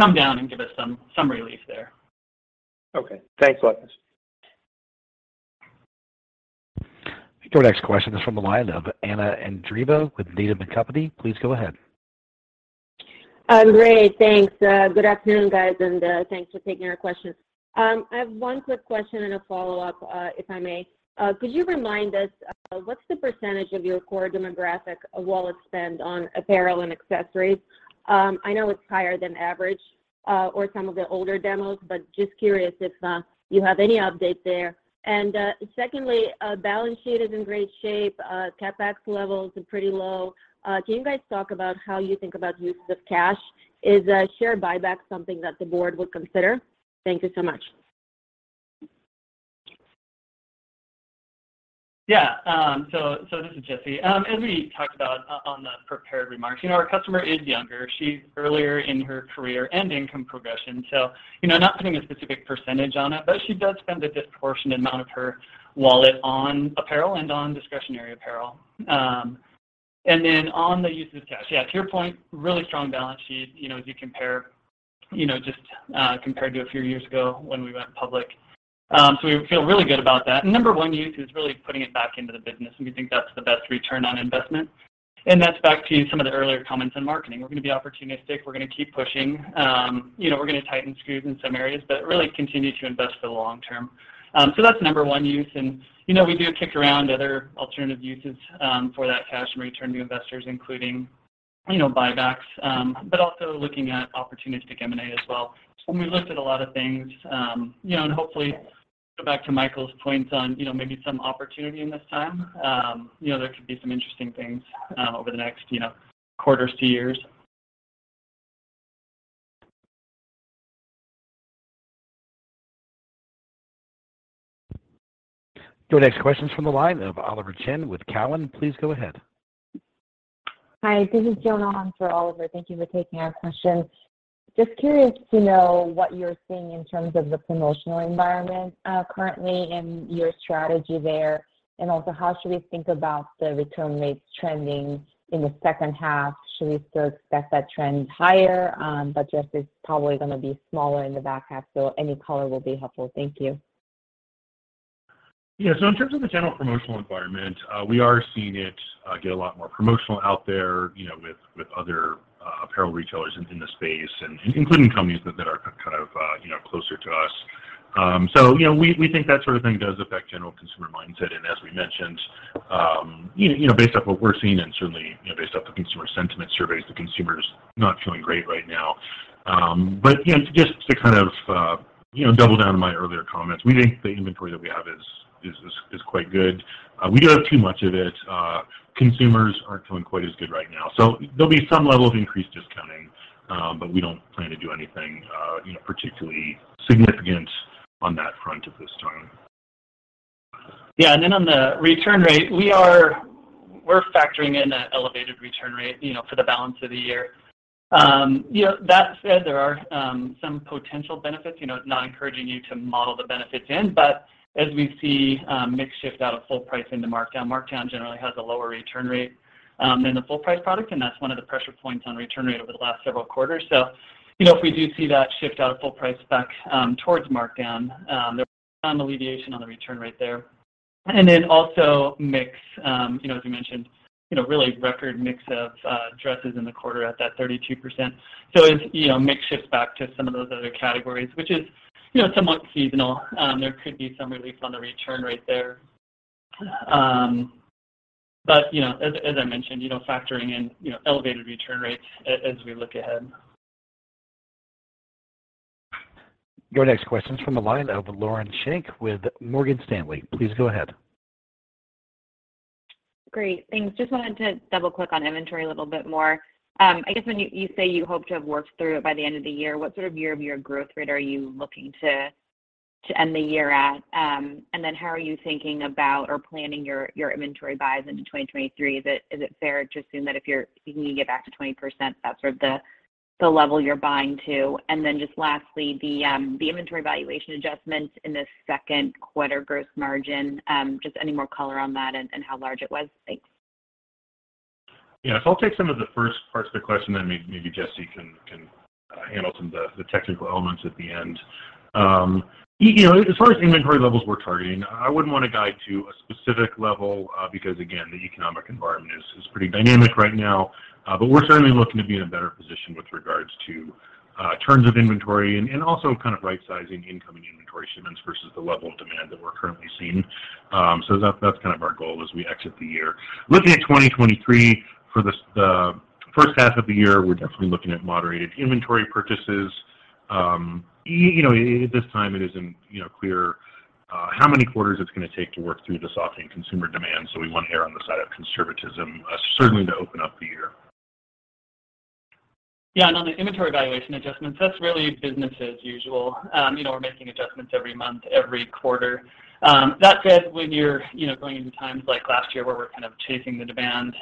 come down and give us some relief there. Okay. Thanks a lot. Our next question is from the line of Anna Andreeva with Needham & Company. Please go ahead. Great. Thanks. Good afternoon, guys, and thanks for taking our questions. I have one quick question and a follow-up, if I may. Could you remind us, what's the percentage of your core demographic wallet spend on apparel and accessories? I know it's higher than average, or some of the older demos, but just curious if you have any update there. Secondly, balance sheet is in great shape. CapEx levels are pretty low. Can you guys talk about how you think about uses of cash? Is share buyback something that the board would consider? Thank you so much. Yeah. This is Jesse. As we talked about on the prepared remarks, you know, our customer is younger. She's earlier in her career and income progression, so you know, not putting a specific percentage on it, but she does spend a disproportionate amount of her wallet on apparel and on discretionary apparel. On the uses of cash. Yeah, to your point, really strong balance sheet. You know, as you compare, just compared to a few years ago when we went public. We feel really good about that. Number one use is really putting it back into the business, and we think that's the best return on investment. That's back to some of the earlier comments on marketing. We're gonna be opportunistic. We're gonna keep pushing. You know, we're gonna tighten screws in some areas, but really continue to invest for the long term. That's the number one use. You know, we do kick around other alternative uses for that cash and return to investors, including, you know, buybacks, but also looking at opportunistic M&A as well. When we looked at a lot of things, you know, and hopefully go back to Michael's point on, you know, maybe some opportunity in this time, you know, there could be some interesting things over the next, you know, quarters to years. Our next question's from the line of Oliver Chen with Cowen. Please go ahead. Hi, this is Joan on for Oliver Chen. Thank you for taking our questions. Just curious to know what you're seeing in terms of the promotional environment, currently and your strategy there. Also how should we think about the return rates trending in the second half? Should we still expect that trend higher, but just it's probably gonna be smaller in the back half, so any color will be helpful. Thank you. Yeah. In terms of the general promotional environment, we are seeing it get a lot more promotional out there, you know, with other apparel retailers in the space and including companies that are kind of, you know, closer to us. You know, we think that sort of thing does affect general consumer mindset. As we mentioned, you know, based off what we're seeing and certainly, you know, based off the consumer sentiment surveys, the consumer's not feeling great right now. You know, just to kind of, you know, double down on my earlier comments, we think the inventory that we have is quite good. We don't have too much of it. Consumers aren't feeling quite as good right now. There'll be some level of increased discounting, but we don't plan to do anything, you know, particularly significant on that front at this time. Yeah. Then on the return rate, we're factoring in an elevated return rate, you know, for the balance of the year. Yeah, that said, there are some potential benefits. You know, it's not encouraging you to model the benefits in, but as we see mix shift out of full price into markdown generally has a lower return rate than the full price product, and that's one of the pressure points on return rate over the last several quarters. You know, if we do see that shift out of full price back towards markdown, there on the alleviation on the return rate there. Also mix, you know, as you mentioned, you know, really record mix of dresses in the quarter at that 32%. As you know, mix shifts back to some of those other categories, which is, you know, somewhat seasonal, there could be some relief on the return rate there. You know, as I mentioned, you know, factoring in, you know, elevated return rates as we look ahead. Your next question's from the line of Lauren Schenk with Morgan Stanley. Please go ahead. Great. Thanks. Just wanted to double-click on inventory a little bit more. I guess when you say you hope to have worked through it by the end of the year, what sort of year-over-year growth rate are you looking to end the year at? And then how are you thinking about or planning your inventory buys into 2023? Is it fair to assume that if you're thinking you get back to 20%, that's sort of the level you're buying to? And then just lastly, the inventory valuation adjustments in the second quarter gross margin, just any more color on that and how large it was? Thanks. I'll take some of the first parts of the question, then maybe Jesse can handle some of the technical elements at the end. You know, as far as inventory levels we're targeting, I wouldn't want to guide to a specific level, because again, the economic environment is pretty dynamic right now. We're certainly looking to be in a better position with regards to terms of inventory and also kind of right-sizing incoming inventory shipments versus the level of demand that we're currently seeing. That's kind of our goal as we exit the year. Looking at 2023 for the first half of the year, we're definitely looking at moderated inventory purchases. You know, at this time it isn't, you know, clear how many quarters it's gonna take to work through the softening consumer demand, so we want to err on the side of conservatism, certainly to open up the year. Yeah. On the inventory valuation adjustments, that's really business as usual. You know, we're making adjustments every month, every quarter. That said, when you're, you know, going into times like last year where we're kind of chasing the demand,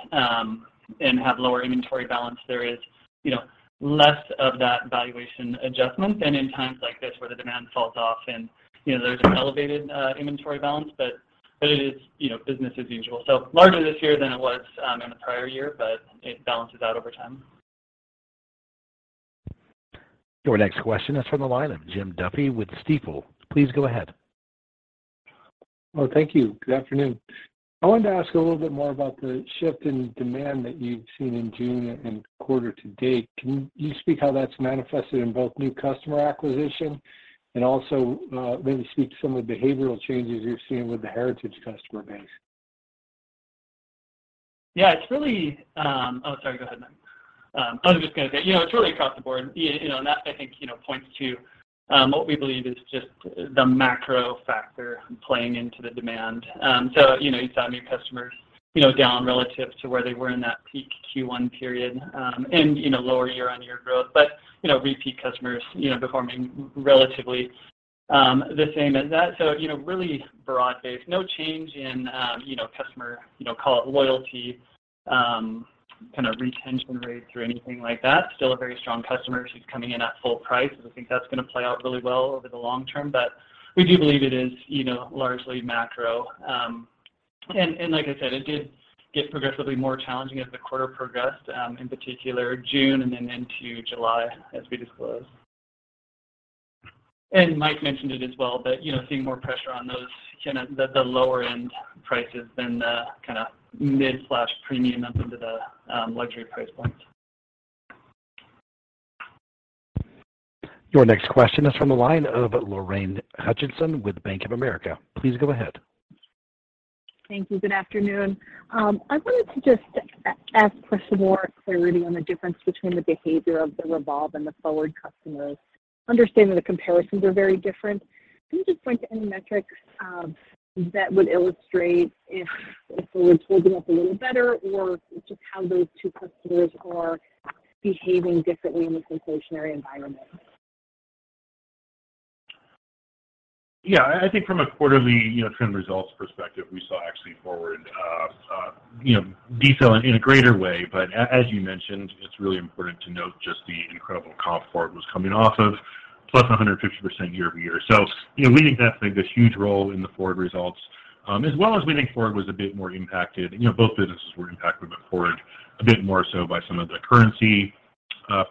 and have lower inventory balance, there is, you know, less of that valuation adjustment than in times like this where the demand falls off and, you know, there's an elevated, inventory balance. But it is, you know, business as usual. Larger this year than it was, in the prior year, but it balances out over time. Your next question is from the line of Jim Duffy with Stifel. Please go ahead. Well, thank you. Good afternoon. I wanted to ask a little bit more about the shift in demand that you've seen in June and quarter to date. Can you speak how that's manifested in both new customer acquisition and also, maybe speak to some of the behavioral changes you're seeing with the heritage customer base? Yeah. It's really. Oh, sorry. Go ahead, Mike. I was just gonna say, you know, it's really across the board. You know, and that I think, you know, points to what we believe is just the macro factor playing into the demand. You know, you're seeing your customers, you know, down relative to where they were in that peak Q1 period, and, you know, lower year-on-year growth. You know, repeat customers, you know, performing relatively the same as that. You know, really broad-based. No change in, you know, customer, you know, call it loyalty, kind of retention rates or anything like that. Still a very strong customer who's coming in at full price, and I think that's gonna play out really well over the long term. We do believe it is, you know, largely macro. Like I said, it did get progressively more challenging as the quarter progressed, in particular June and then into July as we disclosed. Mike mentioned it as well, but you know, seeing more pressure on those kinda the lower end prices than the kinda mid/premium up into the luxury price points. Your next question is from the line of Lorraine Hutchinson with Bank of America. Please go ahead. Thank you. Good afternoon. I wanted to just ask for some more clarity on the difference between the behavior of the REVOLVE and the FWRD customers. Understanding the comparisons are very different, can you just point to any metrics that would illustrate if FWRD's holding up a little better or just how those two customers are behaving differently in this inflationary environment? Yeah. I think from a quarterly, you know, trend results perspective, we saw actually FWRD detailed in a greater way. As you mentioned, it's really important to note just the incredible comp FWRD was coming off of, plus 150% year-over-year. You know, we think that played a huge role in the FWRD results, as well as we think FWRD was a bit more impacted. You know, both businesses were impacted, but FWRD a bit more so by some of the currency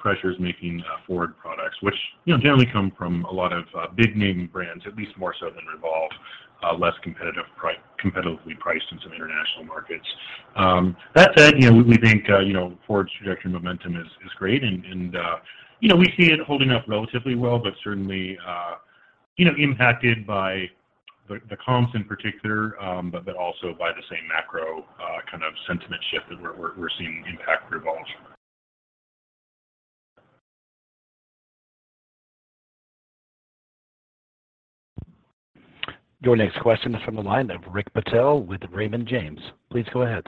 pressures making FWRD products, which, you know, generally come from a lot of big name brands, at least more so than REVOLVE, less competitively priced in some international markets. That said, you know, we think you know, FWRD's trajectory and momentum is great and you know, we see it holding up relatively well, but certainly you know, impacted by the comps in particular, but also by the same macro kind of sentiment shift that we're seeing impacting REVOLVE. Your next question is from the line of Rick Patel with Raymond James. Please go ahead.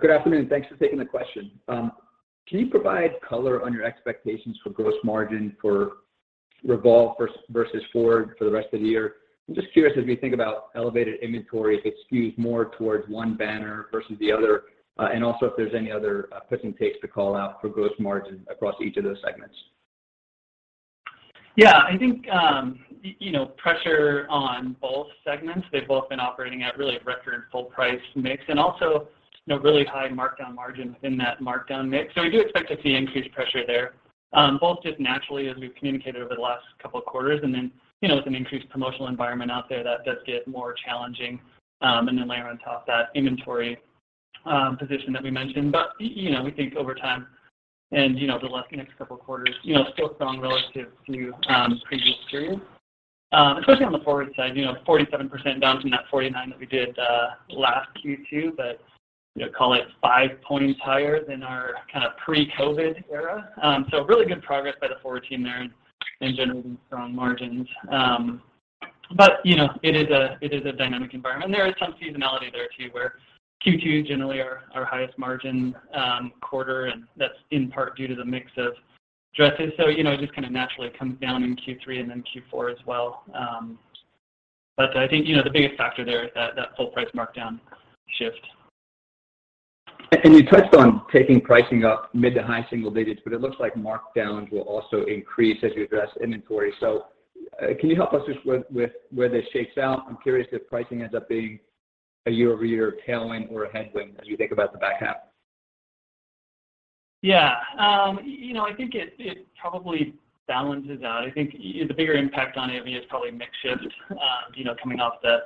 Good afternoon. Thanks for taking the question. Can you provide color on your expectations for gross margin for REVOLVE versus FWRD for the rest of the year? I'm just curious if you think about elevated inventory, if it skews more towards one banner versus the other. Also if there's any other, puts and takes to call out for gross margin across each of those segments. Yeah. I think, you know, pressure on both segments. They've both been operating at really record full price mix, and also, you know, really high markdown margin within that markdown mix. We do expect to see increased pressure there, both just naturally as we've communicated over the last couple of quarters, and then, you know, with an increased promotional environment out there that does get more challenging, and then layer on top that inventory position that we mentioned. You know, we think over time and, you know, the next couple of quarters, you know, still strong relative to previous periods. Especially on the FWRD side, you know, 47% down from that 49 that we did last Q2, but, you know, call it five points higher than our kind of pre-COVID era. Really good progress by the FWRD team there in generating strong margins. You know, it is a dynamic environment. There is some seasonality there too where Q2 is generally our highest margin quarter, and that's in part due to the mix of dresses. You know, it just kinda naturally comes down in Q3 and then Q4 as well. I think, you know, the biggest factor there is that full price markdown shift. You touched on taking pricing up mid- to high-single digits, but it looks like markdowns will also increase as you address inventory. Can you help us just with where this shakes out? I'm curious if pricing ends up being a year-over-year tailwind or a headwind as you think about the back half. Yeah. You know, I think it probably balances out. I think the bigger impact on it is probably mix shift, you know, coming off the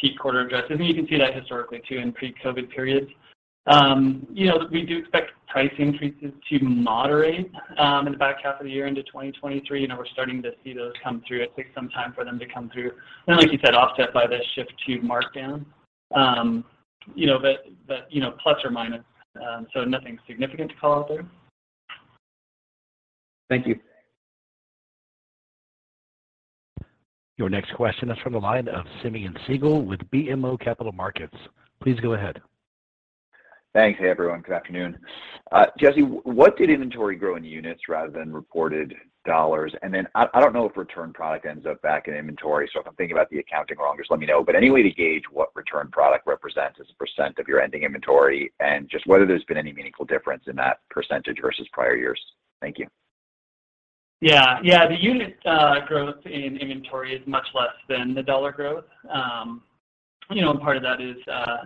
peak quarter addresses. You can see that historically too in pre-COVID periods. You know, we do expect price increases to moderate in the back half of the year into 2023. You know, we're starting to see those come through. It takes some time for them to come through. Then, like you said, offset by the shift to markdown. But ±, so nothing significant to call out there. Thank you. Your next question is from the line of Simeon Siegel with BMO Capital Markets. Please go ahead. Thanks. Hey, everyone. Good afternoon. Jesse, why did inventory grow in units rather than reported dollars? I don't know if returned product ends up back in inventory, so if I'm thinking about the accounting wrong, just let me know. Any way to gauge what returned product represents as a percent of your ending inventory, and just whether there's been any meaningful difference in that percentage versus prior years? Thank you. Yeah. Yeah. The unit growth in inventory is much less than the dollar growth. You know, part of that is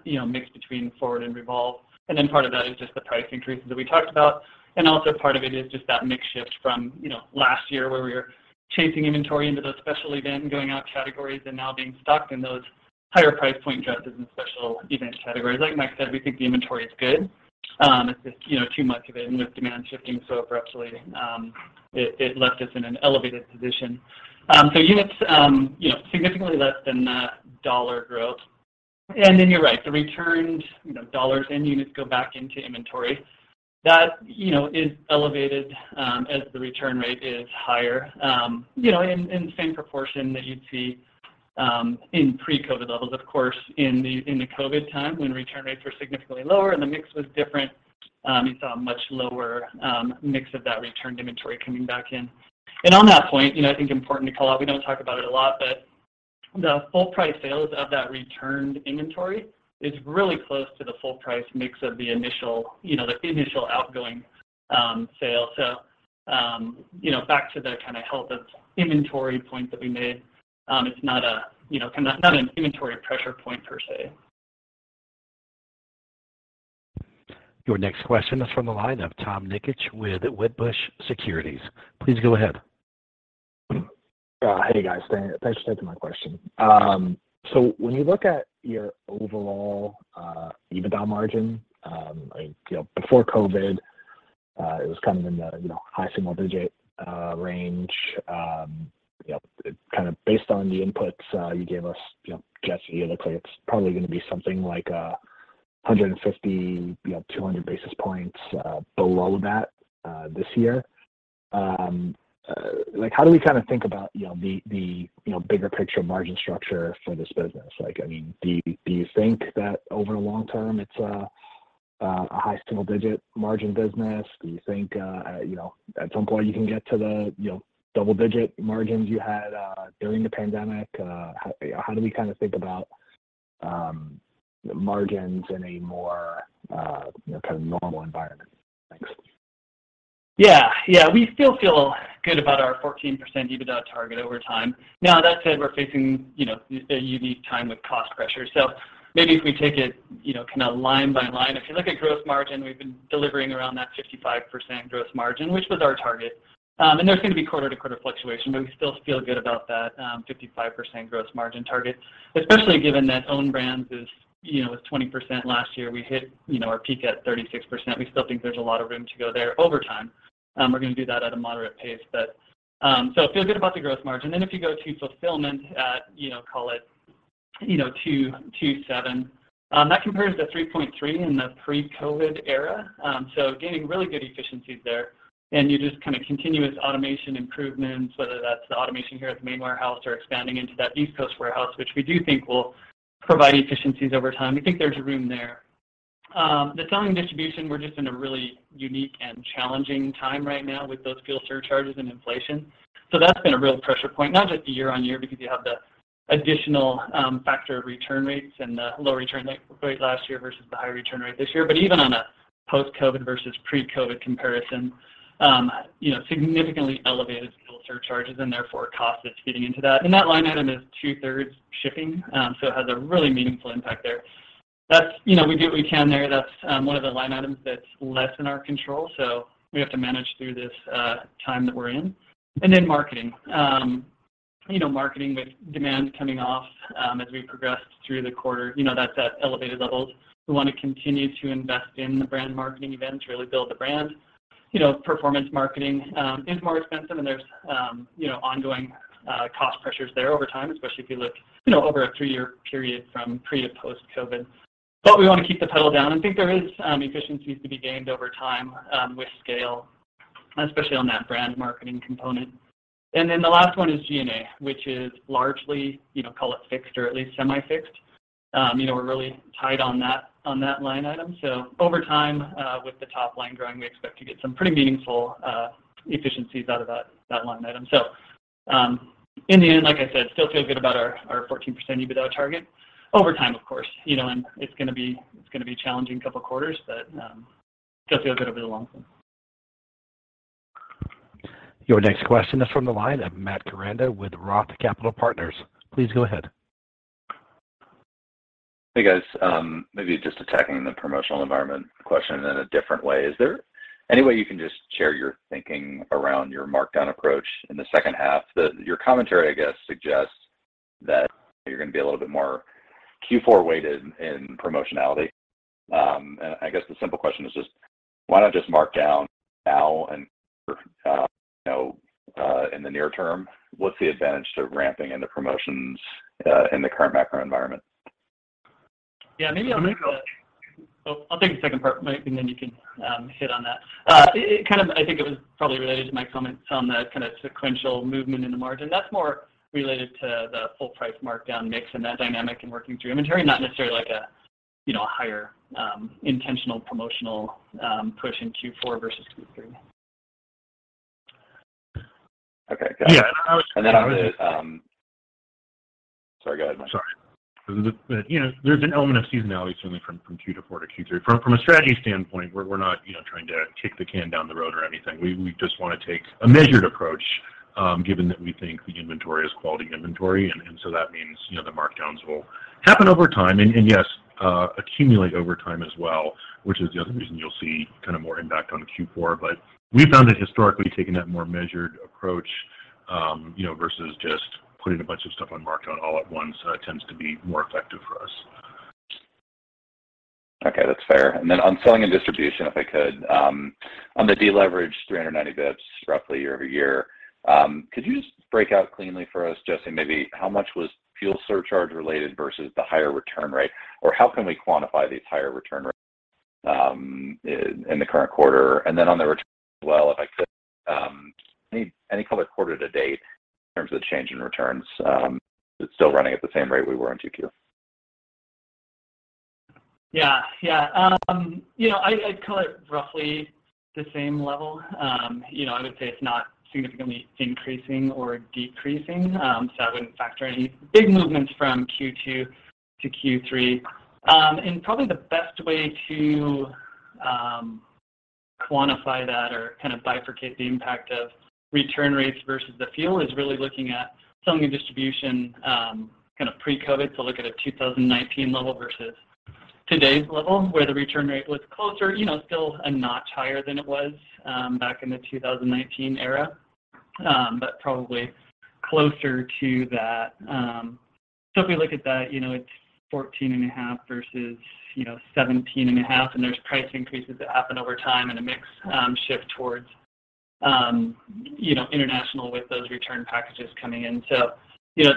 you know, mixed between FWRD and REVOLVE, and then part of that is just the price increases that we talked about. Also part of it is just that mix shift from you know, last year where we were chasing inventory into those special event and going out categories and now being stocked in those higher price point dresses and special event categories. Like Mike said, we think the inventory is good. It's just you know, too much of it and with demand shifting so abruptly, it left us in an elevated position. Units you know, significantly less than the dollar growth. You're right, the returned you know, dollars and units go back into inventory. That, you know, is elevated, as the return rate is higher, you know, in the same proportion that you'd see, in pre-COVID levels, of course. In the COVID time when return rates were significantly lower and the mix was different, you saw a much lower mix of that returned inventory coming back in. On that point, you know, I think important to call out, we don't talk about it a lot, but the full price sales of that returned inventory is really close to the full price mix of the initial, you know, the initial outgoing sale. You know, back to the kinda health of inventory point that we made, it's not, you know, an inventory pressure point per se. Your next question is from the line of Tom Nikic with Wedbush Securities. Please go ahead. Hey, guys. Thanks for taking my question. When you look at your overall EBITDA margin, like, you know, before COVID, it was kind of in the, you know, high single digit range. You know, kind of based on the inputs you gave us, you know, Jesse, it looks like it's probably gonna be something like 150, you know, 200 basis points below that this year. Like, how do we kinda think about, you know, the bigger picture margin structure for this business? Like, I mean, do you think that over the long term it's a high single digit margin business? Do you think, you know, at some point you can get to the, you know, double digit margins you had during the pandemic? How do we kinda think about margins in a more kind of normal environment? Thanks. Yeah. Yeah. We still feel good about our 14% EBITDA target over time. Now, that said, we're facing, you know, a unique time with cost pressure. Maybe if we take it, you know, kinda line by line. If you look at gross margin, we've been delivering around that 55% gross margin, which was our target. And there's gonna be quarter-to-quarter fluctuation, but we still feel good about that 55% gross margin target, especially given that owned brands is, you know, was 20% last year. We hit, you know, our peak at 36%. We still think there's a lot of room to go there over time. We're gonna do that at a moderate pace. We feel good about the gross margin. If you go to fulfillment at, you know, call it, you know, 2.27, that compares to 3.3 in the pre-COVID era, so gaining really good efficiencies there. You just kinda continuous automation improvements, whether that's the automation here at the main warehouse or expanding into that East Coast warehouse, which we do think will provide efficiencies over time. We think there's room there. The selling and distribution, we're just in a really unique and challenging time right now with those fuel surcharges and inflation. That's been a real pressure point, not just year-on-year because you have the additional factor return rates and the low return rate last year versus the high return rate this year, but even on a post-COVID versus pre-COVID comparison, you know, significantly elevated fuel surcharges and therefore cost that's feeding into that. That line item is two-thirds shipping, so it has a really meaningful impact there. That's. You know, we do what we can there. That's one of the line items that's less in our control, so we have to manage through this time that we're in. Then marketing. You know, marketing with demand coming off as we progressed through the quarter. You know, that's at elevated levels. We want to continue to invest in the brand marketing events to really build the brand. You know, performance marketing is more expensive, and there's you know, ongoing cost pressures there over time, especially if you look you know, over a three-year period from pre to post-COVID. We want to keep the pedal down, and think there is efficiencies to be gained over time with scale, especially on that brand marketing component. Then the last one is G&A, which is largely, you know, call it fixed or at least semi-fixed. You know, we're really tight on that, on that line item. Over time, with the top line growing, we expect to get some pretty meaningful efficiencies out of that line item. In the end, like I said, still feel good about our 14% EBITDA target. Over time, of course, you know, and it's gonna be a challenging couple of quarters, but still feel good over the long term. Your next question is from the line of Matt Koranda with ROTH Capital Partners. Please go ahead. Hey, guys. Maybe just attacking the promotional environment question in a different way. Is there any way you can just share your thinking around your markdown approach in the second half? Your commentary, I guess, suggests that you're gonna be a little bit more Q4-weighted in promotionality. And I guess the simple question is just why not just mark down now and in the near term? What's the advantage to ramping into promotions in the current macro environment? Yeah. Maybe I'll take the second part, Mike, and then you can hit on that. It kind of, I think, it was probably related to my comments on the kinda sequential movement in the margin. That's more related to the full price markdown mix and that dynamic and working through inventory, not necessarily like a you know a higher intentional promotional push in Q4 versus Q3. Okay. Got it. Yeah. I would. Sorry, go ahead, Mike. You know, there's an element of seasonality certainly from Q4 to Q3. From a strategy standpoint, we're not, you know, trying to kick the can down the road or anything. We just wanna take a measured approach, given that we think the inventory is quality inventory, and so that means, you know, the markdowns will happen over time and yes, accumulate over time as well, which is the other reason you'll see kinda more impact on Q4. We found that historically taking that more measured approach, you know, versus just putting a bunch of stuff on markdown all at once, tends to be more effective for us. Okay, that's fair. On selling and distribution, if I could, on the deleverage 390 bps roughly year-over-year, could you just break out cleanly for us, Jesse, maybe how much was fuel surcharge related versus the higher return rate? Or how can we quantify these higher return rates in the current quarter? On the returns as well, if I could, any color quarter to date in terms of the change in returns? Is it still running at the same rate we were in 2Q? Yeah. Yeah. You know, I'd call it roughly the same level. You know, I would say it's not significantly increasing or decreasing, so I wouldn't factor any big movements from Q2 to Q3. Probably the best way to quantify that or kind of bifurcate the impact of return rates versus the full is really looking at selling and distribution, kind of pre-COVID. Look at a 2019 level versus today's level, where the return rate was closer, you know, still a notch higher than it was back in the 2019 era. Probably closer to that. If we look at that, you know, it's 14.5 versus 17.5, and there's price increases that happen over time and a mix shift towards, you know, international with those return packages coming in. You know,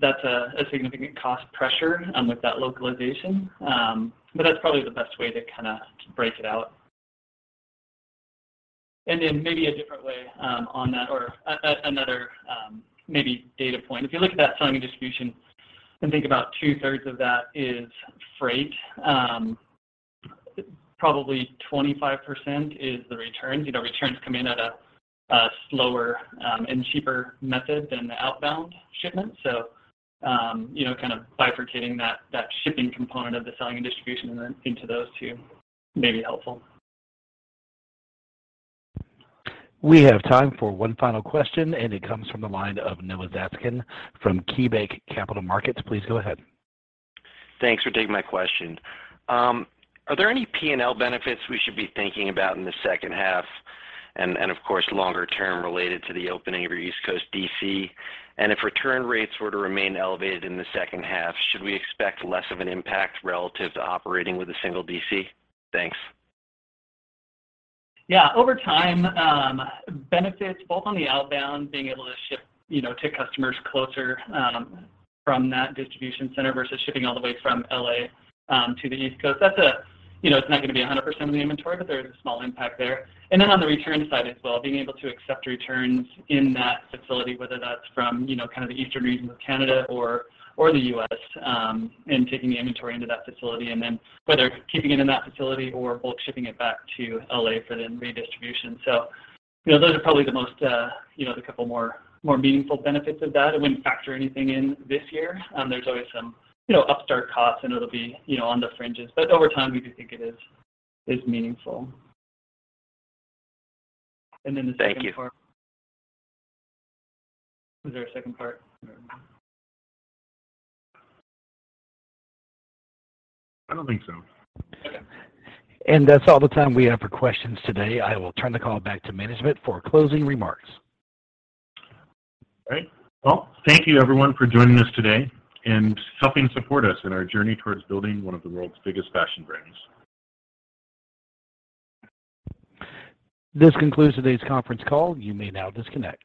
that's a significant cost pressure with that localization. But that's probably the best way to kinda break it out. Then maybe a different way on that or another maybe data point. If you look at that selling and distribution and think about two-thirds of that is freight, probably 25% is the returns. You know, returns come in at a slower and cheaper method than the outbound shipment. You know, kind of bifurcating that shipping component of the selling and distribution and then into those two may be helpful. We have time for one final question, and it comes from the line of Noah Zatzkin from KeyBanc Capital Markets. Please go ahead. Thanks for taking my question. Are there any P&L benefits we should be thinking about in the second half and of course, longer term related to the opening of your East Coast DC? If return rates were to remain elevated in the second half, should we expect less of an impact relative to operating with a single DC? Thanks. Yeah. Over time, benefits both on the outbound, being able to ship, you know, to customers closer from that distribution center versus shipping all the way from L.A. to the East Coast. That's. You know, it's not gonna be 100% of the inventory, but there is a small impact there. Then on the return side as well, being able to accept returns in that facility, whether that's from, you know, kind of the eastern region of Canada or the U.S., and taking the inventory into that facility, and then whether keeping it in that facility or bulk shipping it back to L.A. for then redistribution. You know, those are probably the most, the couple more meaningful benefits of that. I wouldn't factor anything in this year. There's always some, you know, startup costs, and it'll be, you know, on the fringes. Over time, we do think it is meaningful. Then the second part. Thank you. Was there a second part? Or I don't think so. Okay. That's all the time we have for questions today. I will turn the call back to management for closing remarks. All right. Well, thank you everyone for joining us today and helping support us in our journey towards building one of the world's biggest fashion brands. This concludes today's conference call. You may now disconnect.